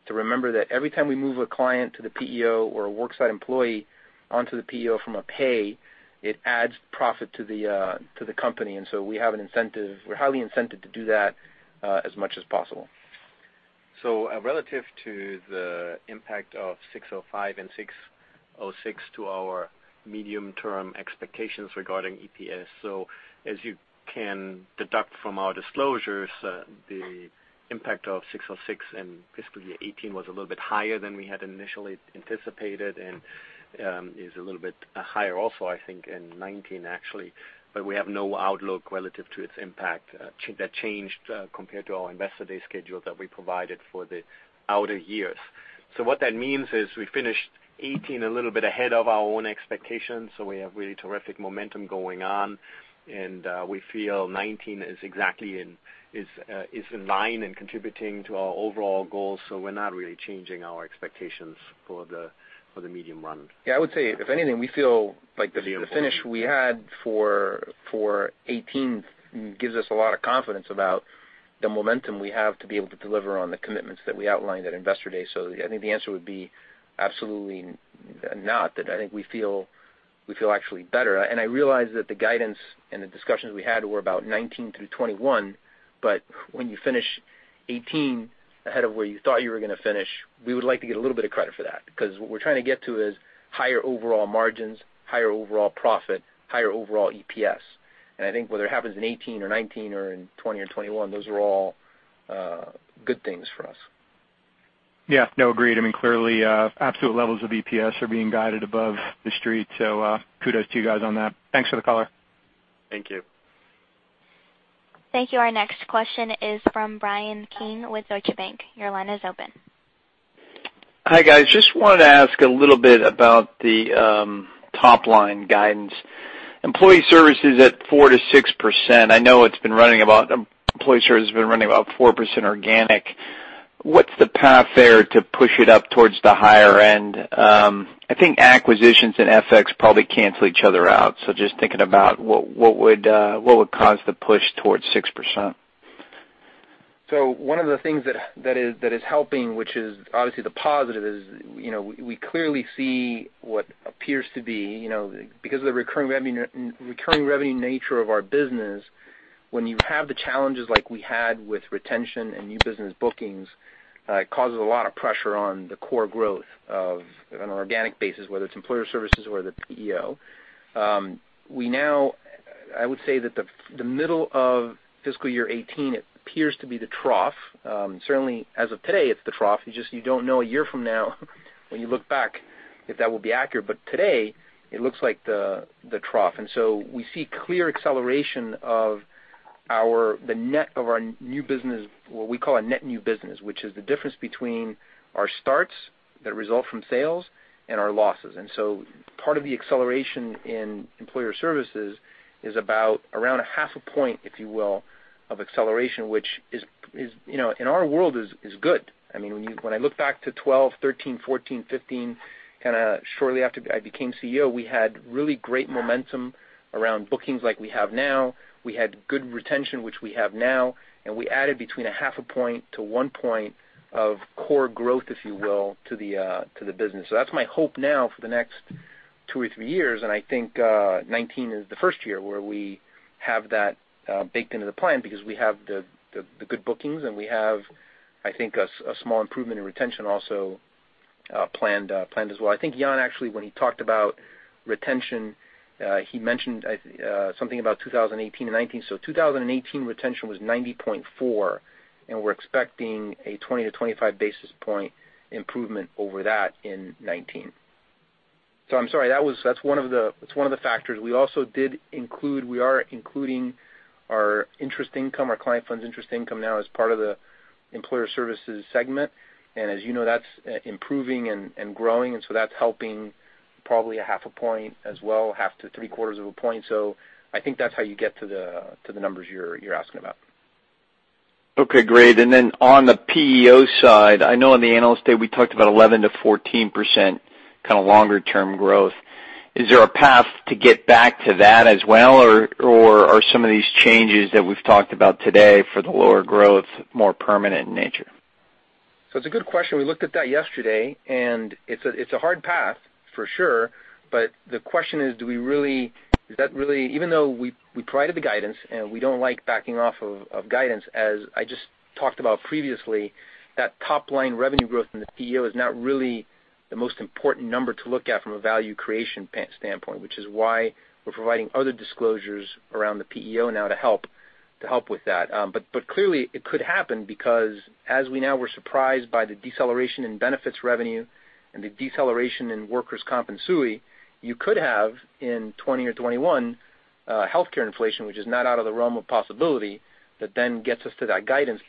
to remember that every time we move a client to the PEO or a worksite employee onto the PEO from a pay, it adds profit to the company. We're highly incented to do that as much as possible. Relative to the impact of 605 and 606 to our medium-term expectations regarding EPS. As you can deduct from our disclosures, the impact of 606 in fiscal year 2018 was a little bit higher than we had initially anticipated and is a little bit higher also, I think, in 2019 actually. We have no outlook relative to its impact that changed, compared to our Investor Day schedule that we provided for the outer years. What that means is we finished 2018 a little bit ahead of our own expectations, so we have really terrific momentum going on, and we feel 2019 is in line and contributing to our overall goals. We're not really changing our expectations for the medium run. Yeah, I would say, if anything, we feel like the finish we had for 2018 gives us a lot of confidence about the momentum we have to be able to deliver on the commitments that we outlined at Investor Day. I think the answer would be absolutely not. That I think we feel actually better. I realize that the guidance and the discussions we had were about 2019 through 2021, but when you finish 2018 ahead of where you thought you were going to finish, we would like to get a little bit of credit for that. What we're trying to get to is higher overall margins, higher overall profit, higher overall EPS. I think whether it happens in 2018 or 2019 or in 2020 or 2021, those are all good things for us. Yeah. No, agreed. I mean, clearly, absolute levels of EPS are being guided above the street, so kudos to you guys on that. Thanks for the color. Thank you. Thank you. Our next question is from Bryan Keane with Deutsche Bank. Your line is open. Hi, guys. Just wanted to ask a little bit about the top-line guidance. Employer Services at 4%-6%. I know Employer Services has been running about 4% organic. What's the path there to push it up towards the higher end? I think acquisitions and FX probably cancel each other out, so just thinking about what would cause the push towards 6%? One of the things that is helping, which is obviously the positive, is we clearly see. Because of the recurring revenue nature of our business, when you have the challenges like we had with retention and new business bookings, it causes a lot of pressure on the core growth on an organic basis, whether it's Employer Services or the PEO. I would say that the middle of fiscal year 2018 appears to be the trough. Certainly as of today, it's the trough. It's just you don't know a year from now when you look back if that will be accurate. Today, it looks like the trough. We see clear acceleration of what we call our net new business, which is the difference between our starts that result from sales and our losses. Part of the acceleration in Employer Services is around a half a point, if you will, of acceleration, which in our world is good. I mean, when I look back to 2012, 2013, 2014, 2015, kind of shortly after I became CEO, we had really great momentum around bookings like we have now. We had good retention, which we have now, and we added between a half a point to one point of core growth, if you will, to the business. That's my hope now for the next 2 or 3 years, and I think 2019 is the first year where we have that baked into the plan because we have the good bookings and we have, I think, a small improvement in retention also planned as well. I think Jan actually, when he talked about retention, he mentioned something about 2018 and 2019. 2018 retention was 90.4%, and we're expecting a 20 to 25 basis point improvement over that in 2019. I'm sorry, that's one of the factors. We also did include, we are including our interest income, our client funds interest income now as part of the Employer Services segment. As you know, that's improving and growing, and that's helping probably a half a point as well, half to three quarters of a point. I think that's how you get to the numbers you're asking about. Okay, great. On the PEO side, I know on the Analyst Day, we talked about 11%-14% kind of longer term growth. Is there a path to get back to that as well? Or are some of these changes that we've talked about today for the lower growth more permanent in nature? It's a good question. We looked at that yesterday, and it's a hard path, for sure. The question is, even though we provided the guidance and we don't like backing off of guidance, as I just talked about previously, that top-line revenue growth in the PEO is not really the most important number to look at from a value creation standpoint, which is why we're providing other disclosures around the PEO now to help with that. Clearly, it could happen because as we now were surprised by the deceleration in benefits revenue and the deceleration in workers' comp and SUI, you could have, in 2020 or 2021, healthcare inflation, which is not out of the realm of possibility, that gets us to that guidance.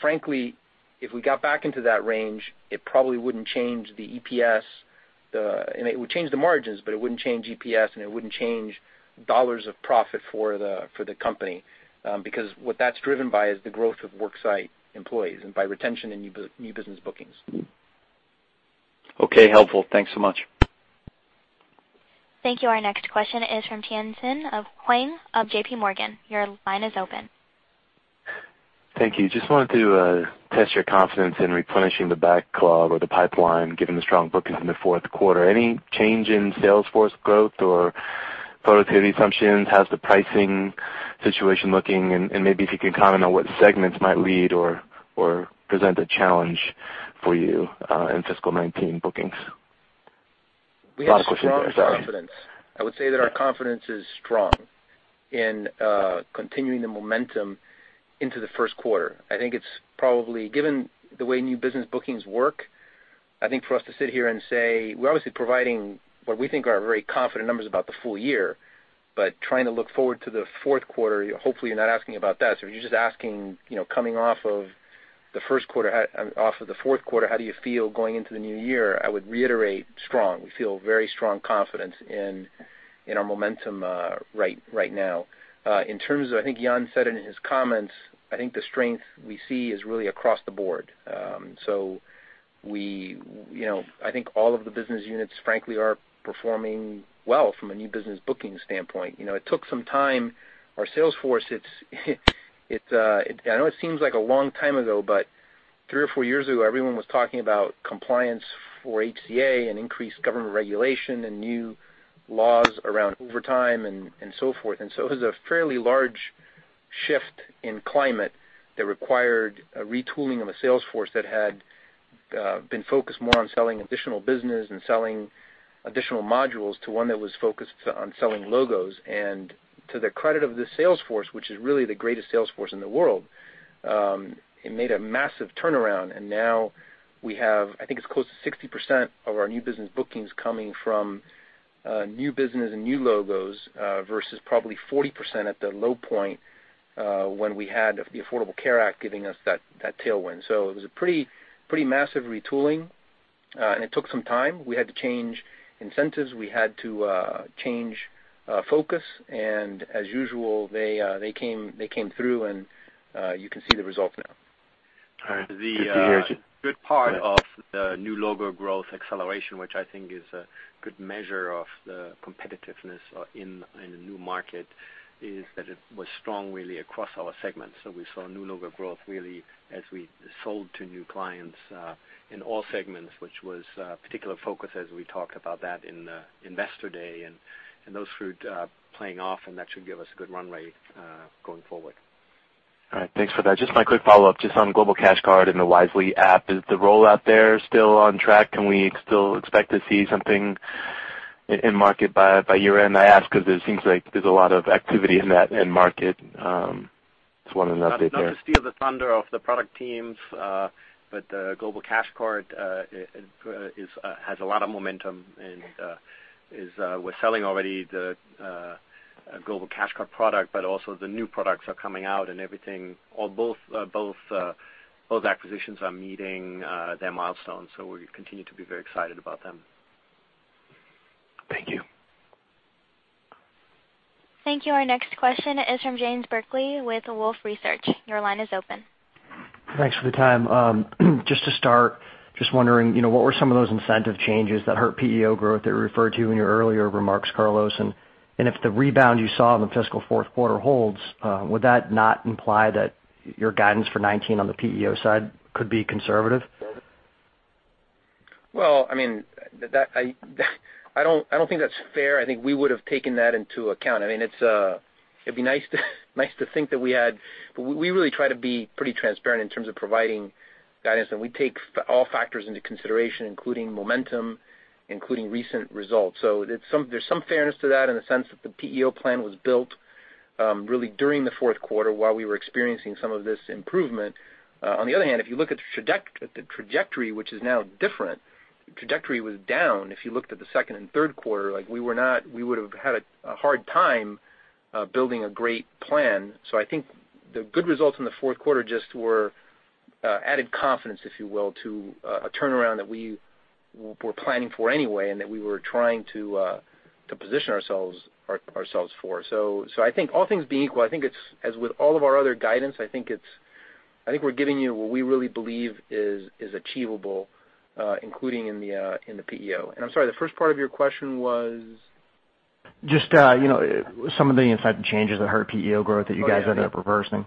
Frankly, if we got back into that range, it probably wouldn't change the EPS. It would change the margins, it wouldn't change EPS, it wouldn't change $ of profit for the company, because what that's driven by is the growth of worksite employees and by retention and new business bookings. Okay, helpful. Thanks so much. Thank you. Our next question is from Tien-Tsin Huang of J.P. Morgan. Your line is open. Thank you. Just wanted to test your confidence in replenishing the backlog or the pipeline, given the strong bookings in the fourth quarter. Any change in sales force growth or productivity assumptions? How's the pricing situation looking? Maybe if you can comment on what segments might lead or present a challenge for you in fiscal 2019 bookings. A lot of questions there, sorry. We have strong confidence. I would say that our confidence is strong in continuing the momentum into the first quarter. I think it's probably, given the way new business bookings work, I think for us to sit here and say, we're obviously providing what we think are very confident numbers about the full year. Trying to look forward to the fourth quarter, hopefully you're not asking about that. If you're just asking, coming off of the fourth quarter, how do you feel going into the new year? I would reiterate strong. We feel very strong confidence in our momentum right now. In terms of, I think Jan said it in his comments, I think the strength we see is really across the board. I think all of the business units, frankly, are performing well from a new business booking standpoint. It took some time. Our sales force, I know it seems like a long time ago, but three or four years ago, everyone was talking about compliance for ACA and increased government regulation and new laws around overtime and so forth. It was a fairly large shift in climate that required a retooling of a sales force that had been focused more on selling additional business and selling additional modules to one that was focused on selling logos. To the credit of the sales force, which is really the greatest sales force in the world, it made a massive turnaround. Now we have, I think it's close to 60% of our new business bookings coming from new business and new logos, versus probably 40% at the low point, when we had the Affordable Care Act giving us that tailwind. It was a pretty massive retooling, and it took some time. We had to change incentives. We had to change focus. As usual, they came through, and you can see the results now. All right. Good to hear it. Yeah. The good part of the new logo growth acceleration, which I think is a good measure of the competitiveness in the new market, is that it was strong really across our segments. We saw new logo growth really as we sold to new clients, in all segments, which was a particular focus as we talked about that in the Investor Day, and those are playing off, and that should give us a good runway going forward. All right. Thanks for that. Just my quick follow-up, just on Global Cash Card and the Wisely app. Is the rollout there still on track? Can we still expect to see something in market by year-end? I ask because it seems like there's a lot of activity in that end market. Just one other update there. Not to steal the thunder off the product teams, but Global Cash Card has a lot of momentum, and we're selling already the Global Cash Card product, but also the new products are coming out, and both acquisitions are meeting their milestones. We continue to be very excited about them. Thank you. Thank you. Our next question is from James Berkley with Wolfe Research. Your line is open. Thanks for the time. Just to start, just wondering, what were some of those incentive changes that hurt PEO growth that you referred to in your earlier remarks, Carlos? If the rebound you saw in the fiscal fourth quarter holds, would that not imply that your guidance for 2019 on the PEO side could be conservative? I don't think that's fair. I think we would've taken that into account. It'd be nice to think that we had We really try to be pretty transparent in terms of providing guidance, and we take all factors into consideration, including momentum, including recent results. There's some fairness to that in the sense that the PEO plan was built really during the fourth quarter while we were experiencing some of this improvement. On the other hand, if you look at the trajectory, which is now different, the trajectory was down if you looked at the second and third quarter. We would've had a hard time building a great plan. I think the good results in the fourth quarter just were added confidence, if you will, to a turnaround that we were planning for anyway, and that we were trying to position ourselves for. I think all things being equal, I think as with all of our other guidance, I think we're giving you what we really believe is achievable, including in the PEO. I'm sorry, the first part of your question was? Just some of the incentive changes that hurt PEO growth that you guys end up reversing.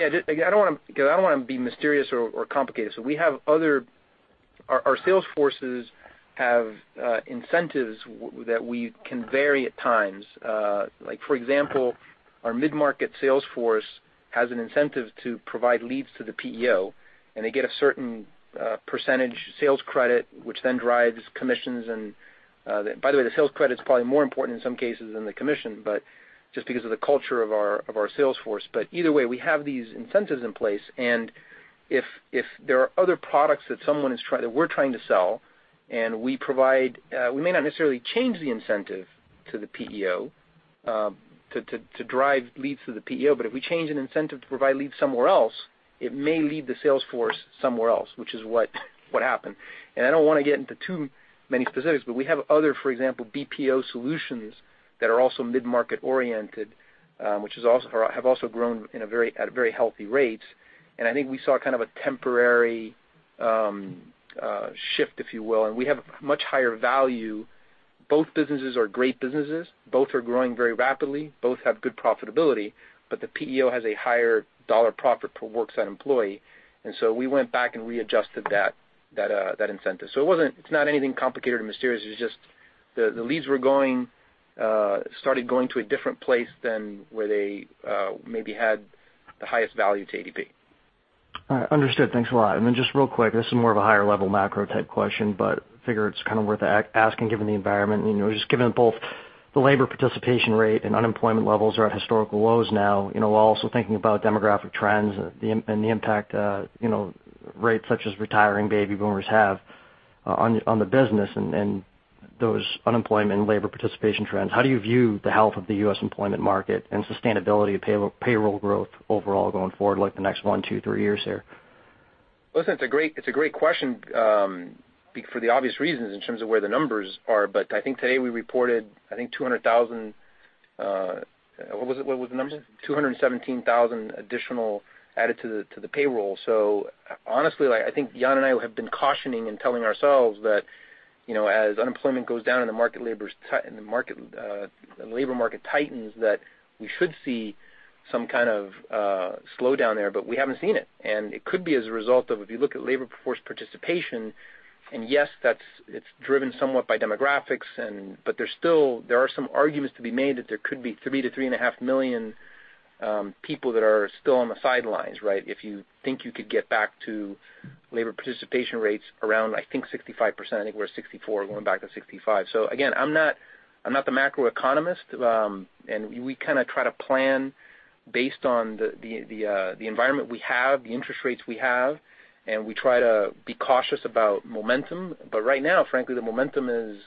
Yeah. I don't want to be mysterious or complicated. Our sales forces have incentives that we can vary at times. Like for example, our mid-market sales force has an incentive to provide leads to the PEO, they get a certain percentage sales credit, which then drives commissions. By the way, the sales credit's probably more important in some cases than the commission, just because of the culture of our sales force. Either way, we have these incentives in place, if there are other products that we're trying to sell, we may not necessarily change the incentive to the PEO, to drive leads to the PEO, if we change an incentive to provide leads somewhere else, it may lead the sales force somewhere else, which is what happened. I don't want to get into too many specifics, we have other, for example, BPO solutions that are also mid-market oriented, have also grown at a very healthy rate. I think we saw a temporary shift, if you will, we have much higher value. Both businesses are great businesses. Both are growing very rapidly. Both have good profitability, the PEO has a higher dollar profit per worksite employee, we went back and readjusted that incentive. It's not anything complicated or mysterious, it's just the leads started going to a different place than where they maybe had the highest value to ADP. All right. Understood. Thanks a lot. Just real quick, this is more of a higher-level macro type question, but I figure it's worth asking given the environment. Just given both the labor participation rate and unemployment levels are at historical lows now, while also thinking about demographic trends and the impact rates such as retiring baby boomers have on the business and those unemployment and labor participation trends, how do you view the health of the U.S. employment market and sustainability of payroll growth overall going forward, like the next one, two, three years here? Listen, it's a great question, for the obvious reasons in terms of where the numbers are. I think today we reported, I think 200,000. What was the number? 217,000 additional added to the payroll. Honestly, I think Jan and I have been cautioning and telling ourselves that as unemployment goes down and the labor market tightens, that we should see some kind of slowdown there, but we haven't seen it. It could be as a result of, if you look at labor force participation, and yes, it's driven somewhat by demographics, but there are some arguments to be made that there could be three to three and a half million people that are still on the sidelines, right? If you think you could get back to labor participation rates around, I think 65%. I think we're at 64%, going back to 65%. Again, I'm not the macroeconomist. We try to plan based on the environment we have, the interest rates we have. We try to be cautious about momentum. Right now, frankly, the momentum is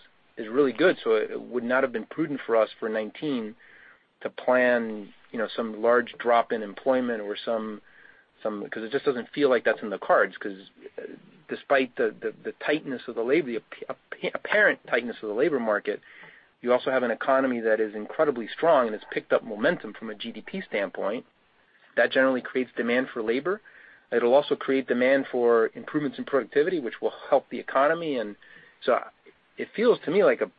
really good, so it would not have been prudent for us for 2019 to plan some large drop in employment. It just doesn't feel like that's in the cards, because despite the apparent tightness of the labor market, you also have an economy that is incredibly strong, and it's picked up momentum from a GDP standpoint. That generally creates demand for labor. It'll also create demand for improvements in productivity, which will help the economy. It feels to me like a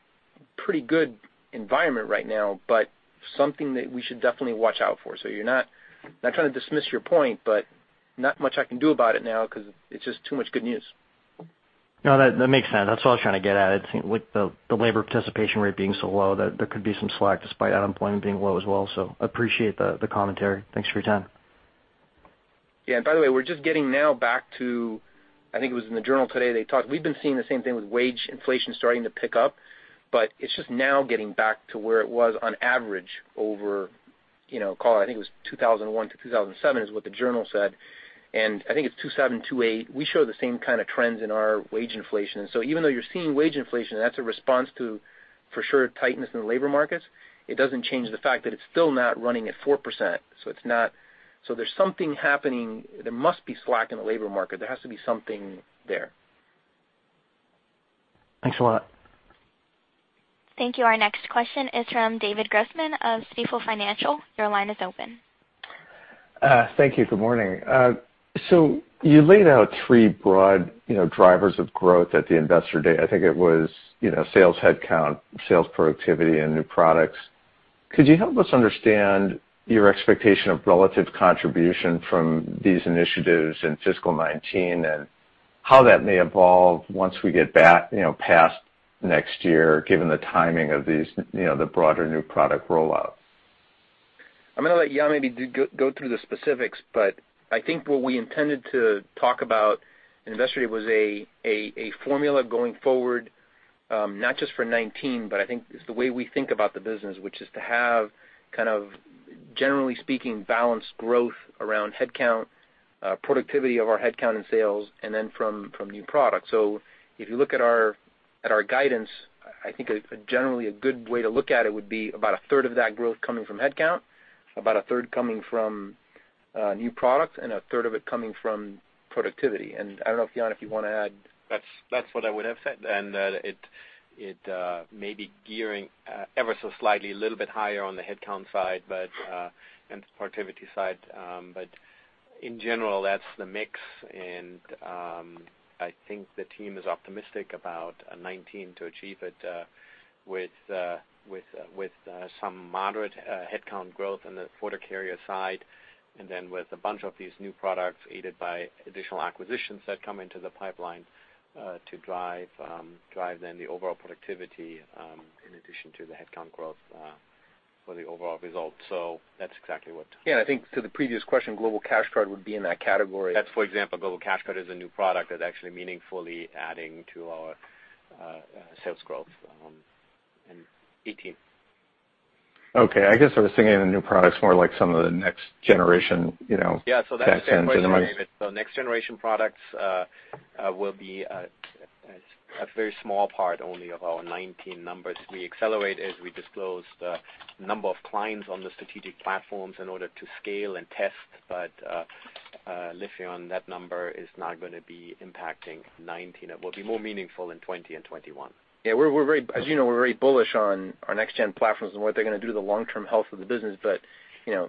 pretty good environment right now, but something that we should definitely watch out for. You're not trying to dismiss your point, not much I can do about it now because it's just too much good news. No, that makes sense. That's all I was trying to get at. I think with the labor participation rate being so low, there could be some slack despite unemployment being low as well. Appreciate the commentary. Thanks for your time. Yeah. By the way, we're just getting now back to, I think it was in the Journal today, they talked. We've been seeing the same thing with wage inflation starting to pick up, but it's just now getting back to where it was on average over, call it, I think it was 2001 to 2007, is what the Journal said. I think it's 2007, 2008. We show the same kind of trends in our wage inflation. Even though you're seeing wage inflation, that's a response to, for sure, tightness in the labor markets. It doesn't change the fact that it's still not running at 4%, so there's something happening. There must be slack in the labor market. There has to be something there. Thanks a lot. Thank you. Our next question is from David Grossman of Stifel Financial. Your line is open. Thank you. Good morning. You laid out three broad drivers of growth at the Investor Day. I think it was sales headcount, sales productivity, and new products. Could you help us understand your expectation of relative contribution from these initiatives in fiscal 2019 and how that may evolve once we get past next year, given the timing of the broader new product rollout? I'm going to let Jan maybe go through the specifics, but I think what we intended to talk about in Investor Day was a formula going forward, not just for 2019, but I think it's the way we think about the business, which is to have kind of, generally speaking, balanced growth around headcount, productivity of our headcount and sales, and then from new products. If you look at our guidance, I think generally a good way to look at it would be about a third of that growth coming from headcount, about a third coming from new products, and a third of it coming from productivity. I don't know, Jan, if you want to add. That's what I would have said, it may be gearing ever so slightly a little bit higher on the headcount side and productivity side. In general, that's the mix, I think the team is optimistic about 2019 to achieve it with some moderate headcount growth on the, for the carrier side, with a bunch of these new products aided by additional acquisitions that come into the pipeline to drive the overall productivity in addition to the headcount growth for the overall result. That's exactly what. I think to the previous question, Global Cash Card would be in that category. That's for example, Global Cash Card is a new product that's actually meaningfully adding to our sales growth in 2018. Okay. I guess I was thinking of the new products more like some of the next generation. Yeah, that's the next generation products will be a very small part only of our 2019 numbers. We accelerate as we disclose the number of clients on the strategic platforms in order to scale and test. Literally on that number is not going to be impacting 2019. It will be more meaningful in 2020 and 2021. Yeah. As you know, we're very bullish on our next gen platforms and what they're going to do to the long-term health of the business.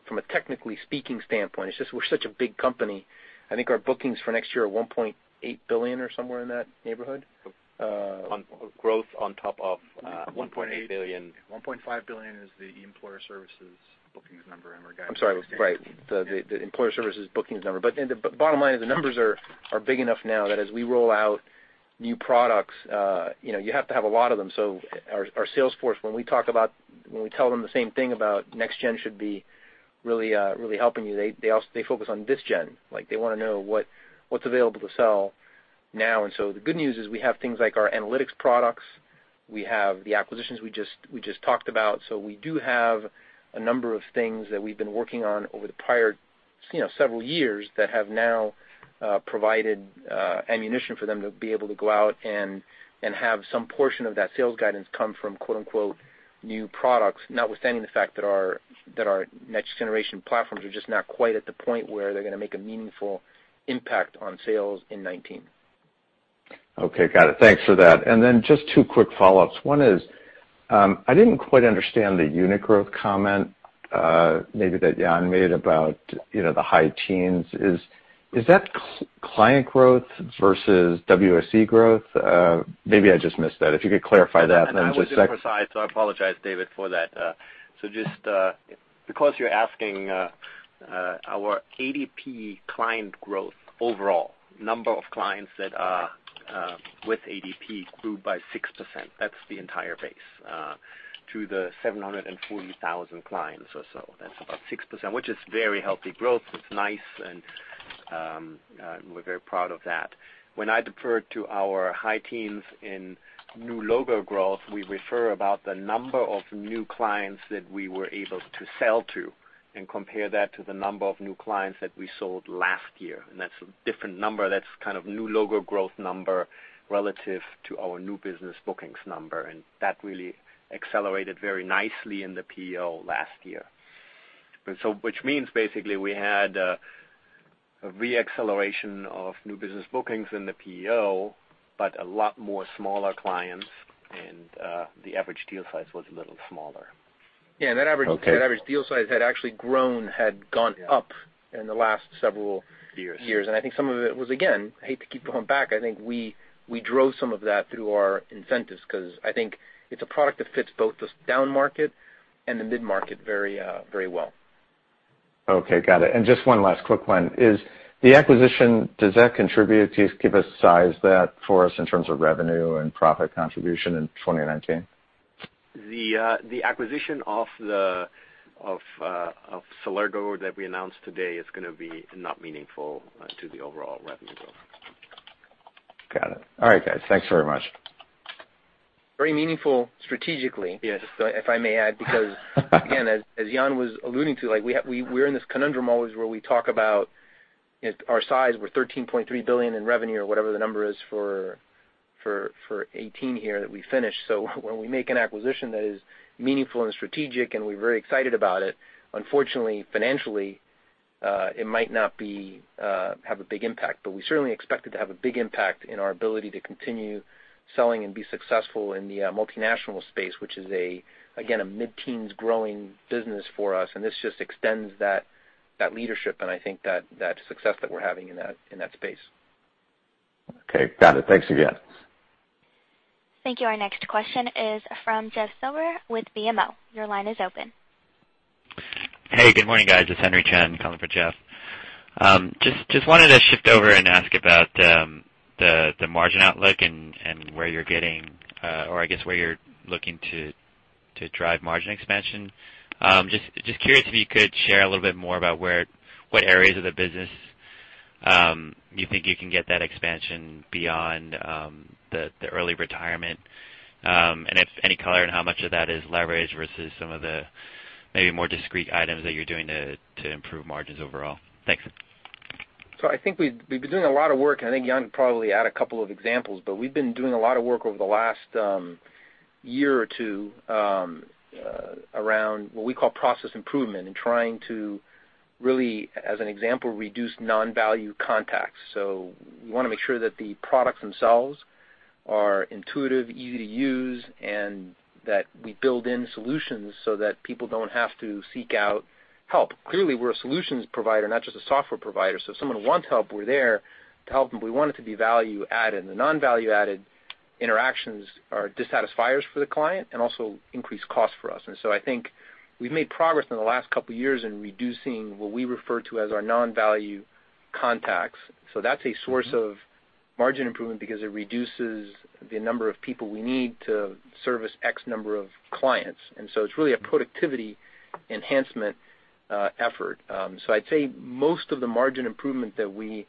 From a technically speaking standpoint, it's just we're such a big company. I think our bookings for next year are $1.8 billion or somewhere in that neighborhood. On growth on top of $1.8 billion. $1.5 billion is the Employer Services bookings number in our guidance. The Employer Services bookings number. The bottom line is the numbers are big enough now that as we roll out new products you have to have a lot of them. Our sales force, when we tell them the same thing about next-gen should be really helping you, they focus on this-gen. They want to know what's available to sell now. The good news is we have things like our analytics products. We have the acquisitions we just talked about. We do have a number of things that we've been working on over the prior several years that have now provided ammunition for them to be able to go out and have some portion of that sales guidance come from "new products," notwithstanding the fact that our next-generation platforms are just not quite at the point where they're going to make a meaningful impact on sales in 2019. Okay. Got it. Thanks for that. Just two quick follow-ups. One is, I didn't quite understand the unit growth comment maybe that Jan made about the high teens. Is that client growth versus WSE growth? Maybe I just missed that. If you could clarify that. I wasn't precise. I apologize, David, for that. Just because you're asking our ADP client growth overall, number of clients that are with ADP grew by 6%. That's the entire base, to the 740,000 clients or so. That's about 6%, which is very healthy growth. It's nice, and we're very proud of that. When I deferred to our high teens in new logo growth, we refer about the number of new clients that we were able to sell to and compare that to the number of new clients that we sold last year, and that's a different number. That's kind of new logo growth number relative to our new business bookings number, and that really accelerated very nicely in the PEO last year. Which means basically we had a re-acceleration of new business bookings in the PEO, but a lot more smaller clients, and the average deal size was a little smaller. Yeah. Okay deal size had actually grown, had gone up in the last several. Years years, I think some of it was, again, I hate to keep coming back, I think we drove some of that through our incentives, because I think it's a product that fits both this down market and the mid-market very well. Okay. Got it. Just one last quick one. Can you give a size for us in terms of revenue and profit contribution in 2019? The acquisition of Celergo that we announced today is going to be not meaningful to the overall revenue growth. Got it. All right, guys. Thanks very much. Very meaningful strategically. Yes, go ahead. If I may add, because again, as Jan was alluding to, we are in this conundrum always where we talk about our size, we are $13.3 billion in revenue or whatever the number is for 2018 here that we finished. When we make an acquisition that is meaningful and strategic and we are very excited about it, unfortunately, financially, it might not have a big impact. We certainly expect it to have a big impact in our ability to continue selling and be successful in the multinational space, which is, again, a mid-teens growing business for us, and this just extends that leadership and I think that success that we are having in that space. Okay, got it. Thanks again. Thank you. Our next question is from Jeff Silber with BMO. Your line is open. Hey, good morning, guys. It is Henry Chen calling for Jeff. Wanted to shift over and ask about the margin outlook and where you are getting or I guess where you are looking to drive margin expansion. Curious if you could share a little bit more about what areas of the business you think you can get that expansion beyond the early retirement, and if any color on how much of that is leverage versus some of the maybe more discrete items that you are doing to improve margins overall. Thanks. I think we've been doing a lot of work, and I think Jan could probably add a couple of examples, but we've been doing a lot of work over the last year or two around what we call process improvement and trying to really, as an example, reduce non-value contacts. We want to make sure that the products themselves are intuitive, easy to use, and that we build in solutions so that people don't have to seek out help. Clearly, we're a solutions provider, not just a software provider. If someone wants help, we're there to help them. We want it to be value added. The non-value added interactions are dissatisfiers for the client and also increase cost for us. I think we've made progress in the last couple of years in reducing what we refer to as our non-value contacts. That's a source of margin improvement because it reduces the number of people we need to service X number of clients. It's really a productivity enhancement effort. I'd say most of the margin improvement that we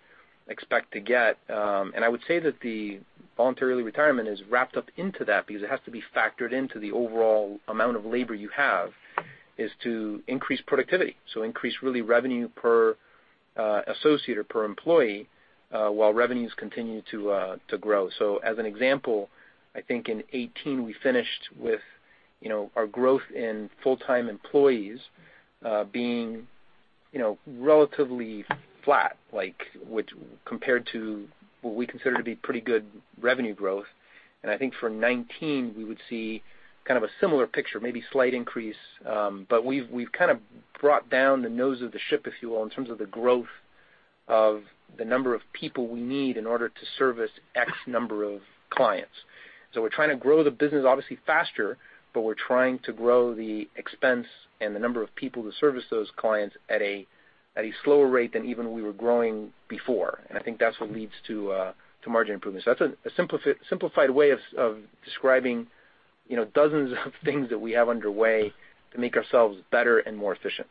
expect to get, and I would say that the voluntary early retirement is wrapped up into that because it has to be factored into the overall amount of labor you have, is to increase productivity. Increase really revenue per associate or per employee, while revenues continue to grow. As an example, I think in 2018, we finished with our growth in full-time employees being relatively flat, which compared to what we consider to be pretty good revenue growth. I think for 2019, we would see a similar picture, maybe slight increase. We've brought down the nose of the ship, if you will, in terms of the growth of the number of people we need in order to service X number of clients. We're trying to grow the business obviously faster, but we're trying to grow the expense and the number of people who service those clients at a slower rate than even we were growing before. I think that's what leads to margin improvement. That's a simplified way of describing dozens of things that we have underway to make ourselves better and more efficient.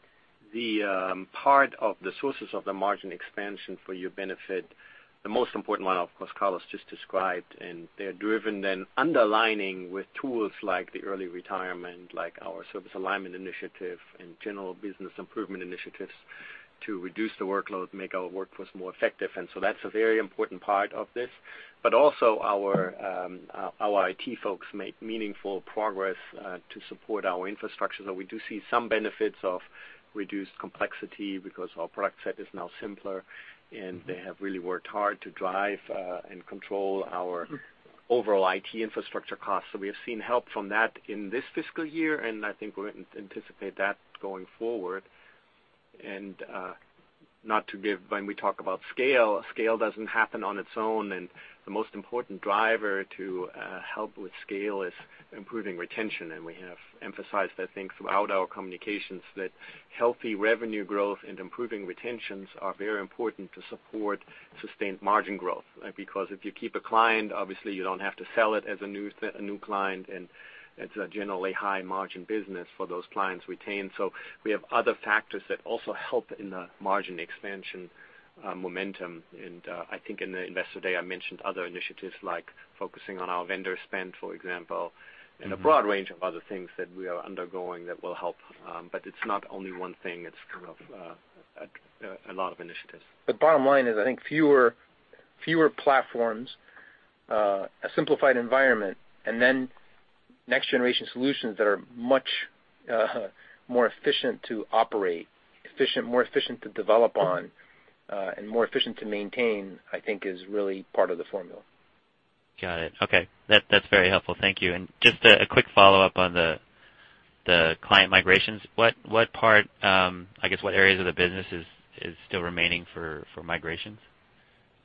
The part of the sources of the margin expansion for your benefit, the most important one, of course, Carlos just described, and they're driven then underlining with tools like the early retirement, like our service alignment initiative, and general business improvement initiatives to reduce the workload, make our workforce more effective. That's a very important part of this. Also our IT folks made meaningful progress to support our infrastructure. We do see some benefits of reduced complexity because our product set is now simpler, and they have really worked hard to drive and control our overall IT infrastructure costs. We have seen help from that in this fiscal year, and I think we anticipate that going forward. Not to give, when we talk about scale doesn't happen on its own, and the most important driver to help with scale is improving retention. We have emphasized, I think throughout our communications that healthy revenue growth and improving retentions are very important to support sustained margin growth. If you keep a client, obviously you don't have to sell it as a new client, and it's a generally high margin business for those clients retained. We have other factors that also help in the margin expansion momentum. I think in the Investor Day, I mentioned other initiatives like focusing on our vendor spend, for example, and a broad range of other things that we are undergoing that will help. It's not only one thing, it's a lot of initiatives. The bottom line is, I think fewer platforms, a simplified environment, then next-generation solutions that are much more efficient to operate, more efficient to develop on, and more efficient to maintain, I think is really part of the formula. Got it. Okay. That's very helpful. Thank you. Just a quick follow-up on the client migrations. What part, I guess, what areas of the business is still remaining for migrations,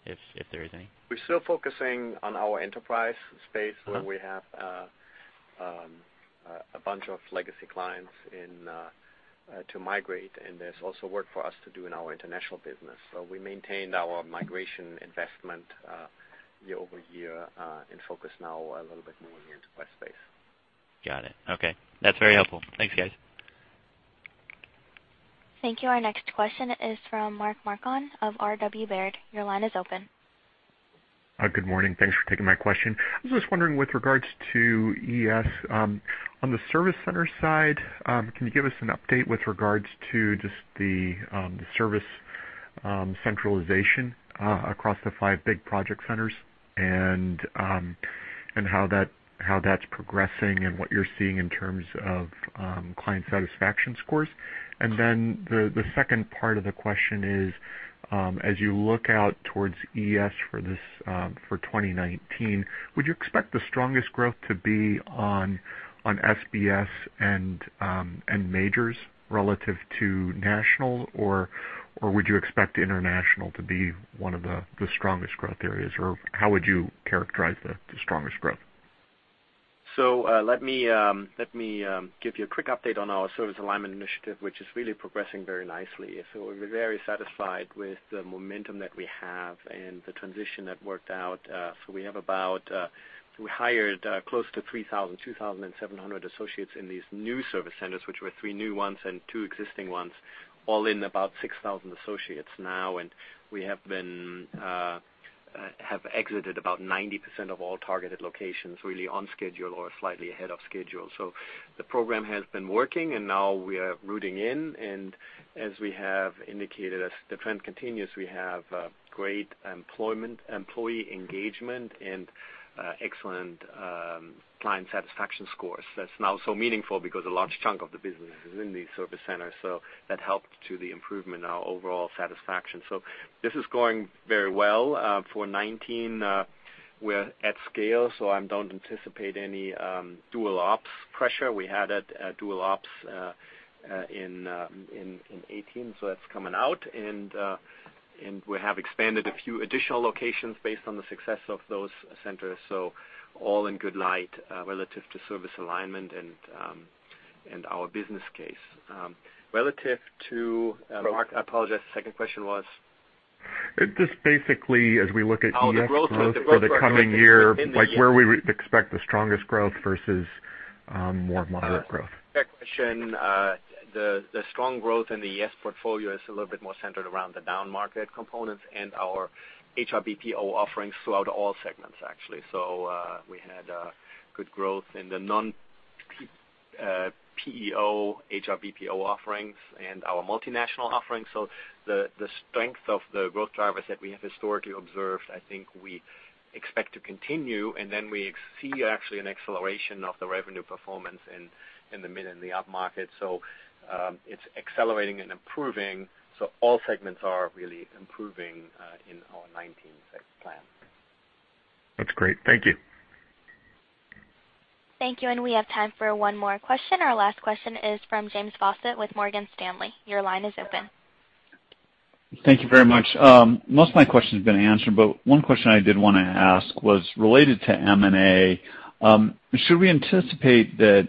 if there is any? We're still focusing on our enterprise space where we have a bunch of legacy clients to migrate, and there's also work for us to do in our international business. We maintained our migration investment year-over-year, and focus now a little bit more in the enterprise space. Got it. Okay. That's very helpful. Thanks, guys. Thank you. Our next question is from Mark Marcon of RW Baird. Your line is open. Good morning. Thanks for taking my question. I was just wondering with regards to ES, on the service center side, can you give us an update with regards to just the service centralization across the five big project centers and how that's progressing and what you're seeing in terms of client satisfaction scores? The second part of the question is, as you look out towards ES for 2019, would you expect the strongest growth to be on SBS and majors relative to national, or would you expect international to be one of the strongest growth areas, or how would you characterize the strongest growth? Let me give you a quick update on our service alignment initiative, which is really progressing very nicely. We're very satisfied with the momentum that we have and the transition that worked out. We hired close to 3,000, 2,700 associates in these new service centers, which were three new ones and two existing ones, all in about 6,000 associates now. We have exited about 90% of all targeted locations, really on schedule or slightly ahead of schedule. The program has been working, and now we are rooting in. As we have indicated, as the trend continues, we have great employee engagement and excellent client satisfaction scores. That's now so meaningful because a large chunk of the business is in these service centers, so that helped to the improvement in our overall satisfaction. This is going very well. For 2019, we're at scale, so I don't anticipate any dual ops pressure. We had dual ops in 2018, so that's coming out. We have expanded a few additional locations based on the success of those centers. All in good light relative to service alignment and our business case. Relative to Mark, I apologize, the second question was? Just basically, as we look at ES growth for the coming year Oh, the growth where we expect the strongest growth versus more moderate growth. Fair question. The strong growth in the ES portfolio is a little bit more centered around the downmarket components and our HRBPO offerings throughout all segments, actually. We had good growth in the non-PEO HRBPO offerings and our multinational offerings. The strength of the growth drivers that we have historically observed, I think we expect to continue, we see actually an acceleration of the revenue performance in the mid and the upmarket. It's accelerating and improving. All segments are really improving in our 2019 plan. That's great. Thank you. Thank you. We have time for one more question. Our last question is from James Faucette with Morgan Stanley. Your line is open. Thank you very much. Most of my question's been answered, one question I did want to ask was related to M&A. Should we anticipate that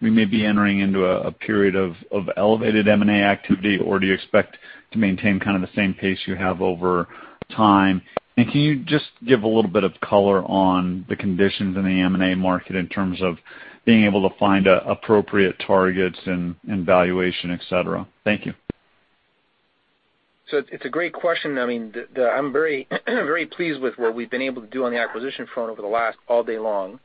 we may be entering into a period of elevated M&A activity, or do you expect to maintain the same pace you have over time? Can you just give a little bit of color on the conditions in the M&A market in terms of being able to find appropriate targets and valuation, et cetera? Thank you. It's a great question. I'm very pleased with what we've been able to do on the acquisition front over the last all day long.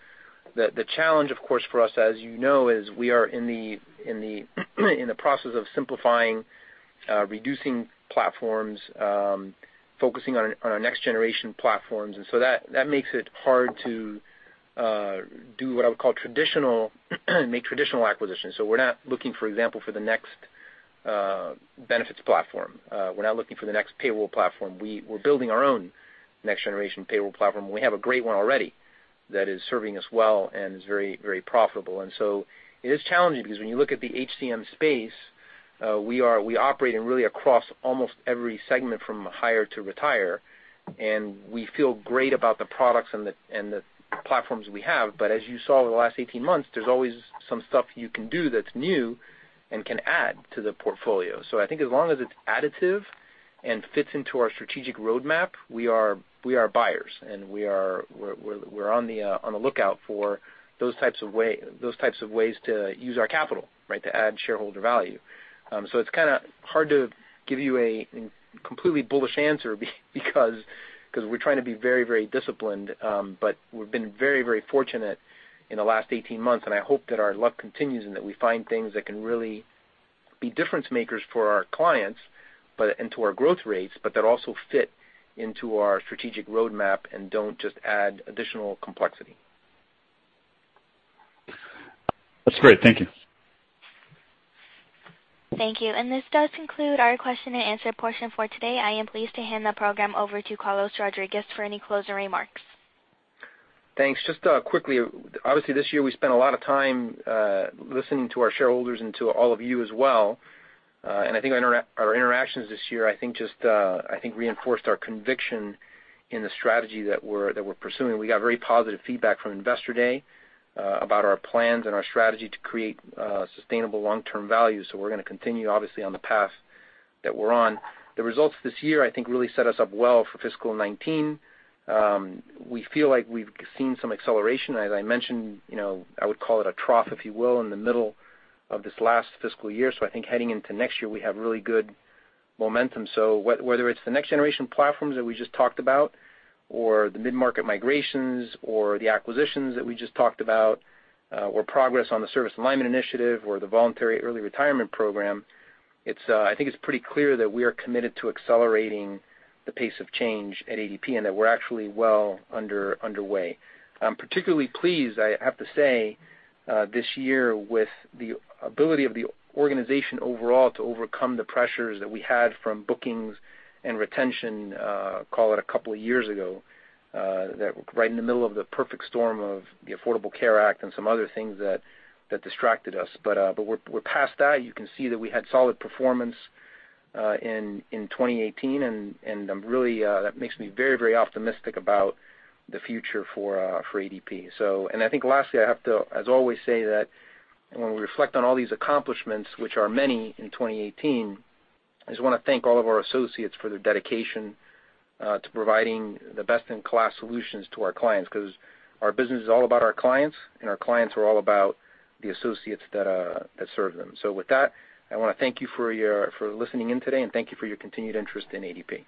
The challenge, of course, for us, as you know, is we are in the process of simplifying, reducing platforms, focusing on our next-generation platforms. That makes it hard to make traditional acquisitions. We're not looking, for example, for the next benefits platform. We're not looking for the next payroll platform. We're building our own next-generation payroll platform. We have a great one already that is serving us well and is very profitable. It is challenging because when you look at the HCM space, we operate in really across almost every segment from hire to retire, and we feel great about the products and the platforms we have. As you saw over the last 18 months, there's always some stuff you can do that's new and can add to the portfolio. I think as long as it's additive and fits into our strategic roadmap, we are buyers, and we're on the lookout for those types of ways to use our capital, to add shareholder value. It's hard to give you a completely bullish answer because we're trying to be very disciplined, but we've been very fortunate in the last 18 months, and I hope that our luck continues and that we find things that can really be difference makers for our clients and to our growth rates, but that also fit into our strategic roadmap and don't just add additional complexity. That's great. Thank you. Thank you. This does conclude our question and answer portion for today. I am pleased to hand the program over to Carlos Rodriguez for any closing remarks. Thanks. Just quickly, obviously this year we spent a lot of time listening to our shareholders and to all of you as well. I think our interactions this year, I think reinforced our conviction in the strategy that we're pursuing. We got very positive feedback from Investor Day about our plans and our strategy to create sustainable long-term value. We're going to continue, obviously, on the path that we're on. The results this year, I think, really set us up well for fiscal 2019. We feel like we've seen some acceleration. As I mentioned, I would call it a trough, if you will, in the middle of this last fiscal year. I think heading into next year, we have really good momentum. Whether it's the next-generation platforms that we just talked about, or the mid-market migrations, or the acquisitions that we just talked about, or progress on the Service Alignment Initiative or the Voluntary Early Retirement Program, I think it's pretty clear that we are committed to accelerating the pace of change at ADP, and that we're actually well underway. I'm particularly pleased, I have to say, this year with the ability of the organization overall to overcome the pressures that we had from bookings and retention, call it a couple of years ago, right in the middle of the perfect storm of the Affordable Care Act and some other things that distracted us. We're past that. You can see that we had solid performance in 2018, and that makes me very optimistic about the future for ADP. I think lastly, I have to, as always, say that when we reflect on all these accomplishments, which are many in 2018, I just want to thank all of our associates for their dedication to providing the best-in-class solutions to our clients, because our business is all about our clients, and our clients are all about the associates that serve them. With that, I want to thank you for listening in today, and thank you for your continued interest in ADP.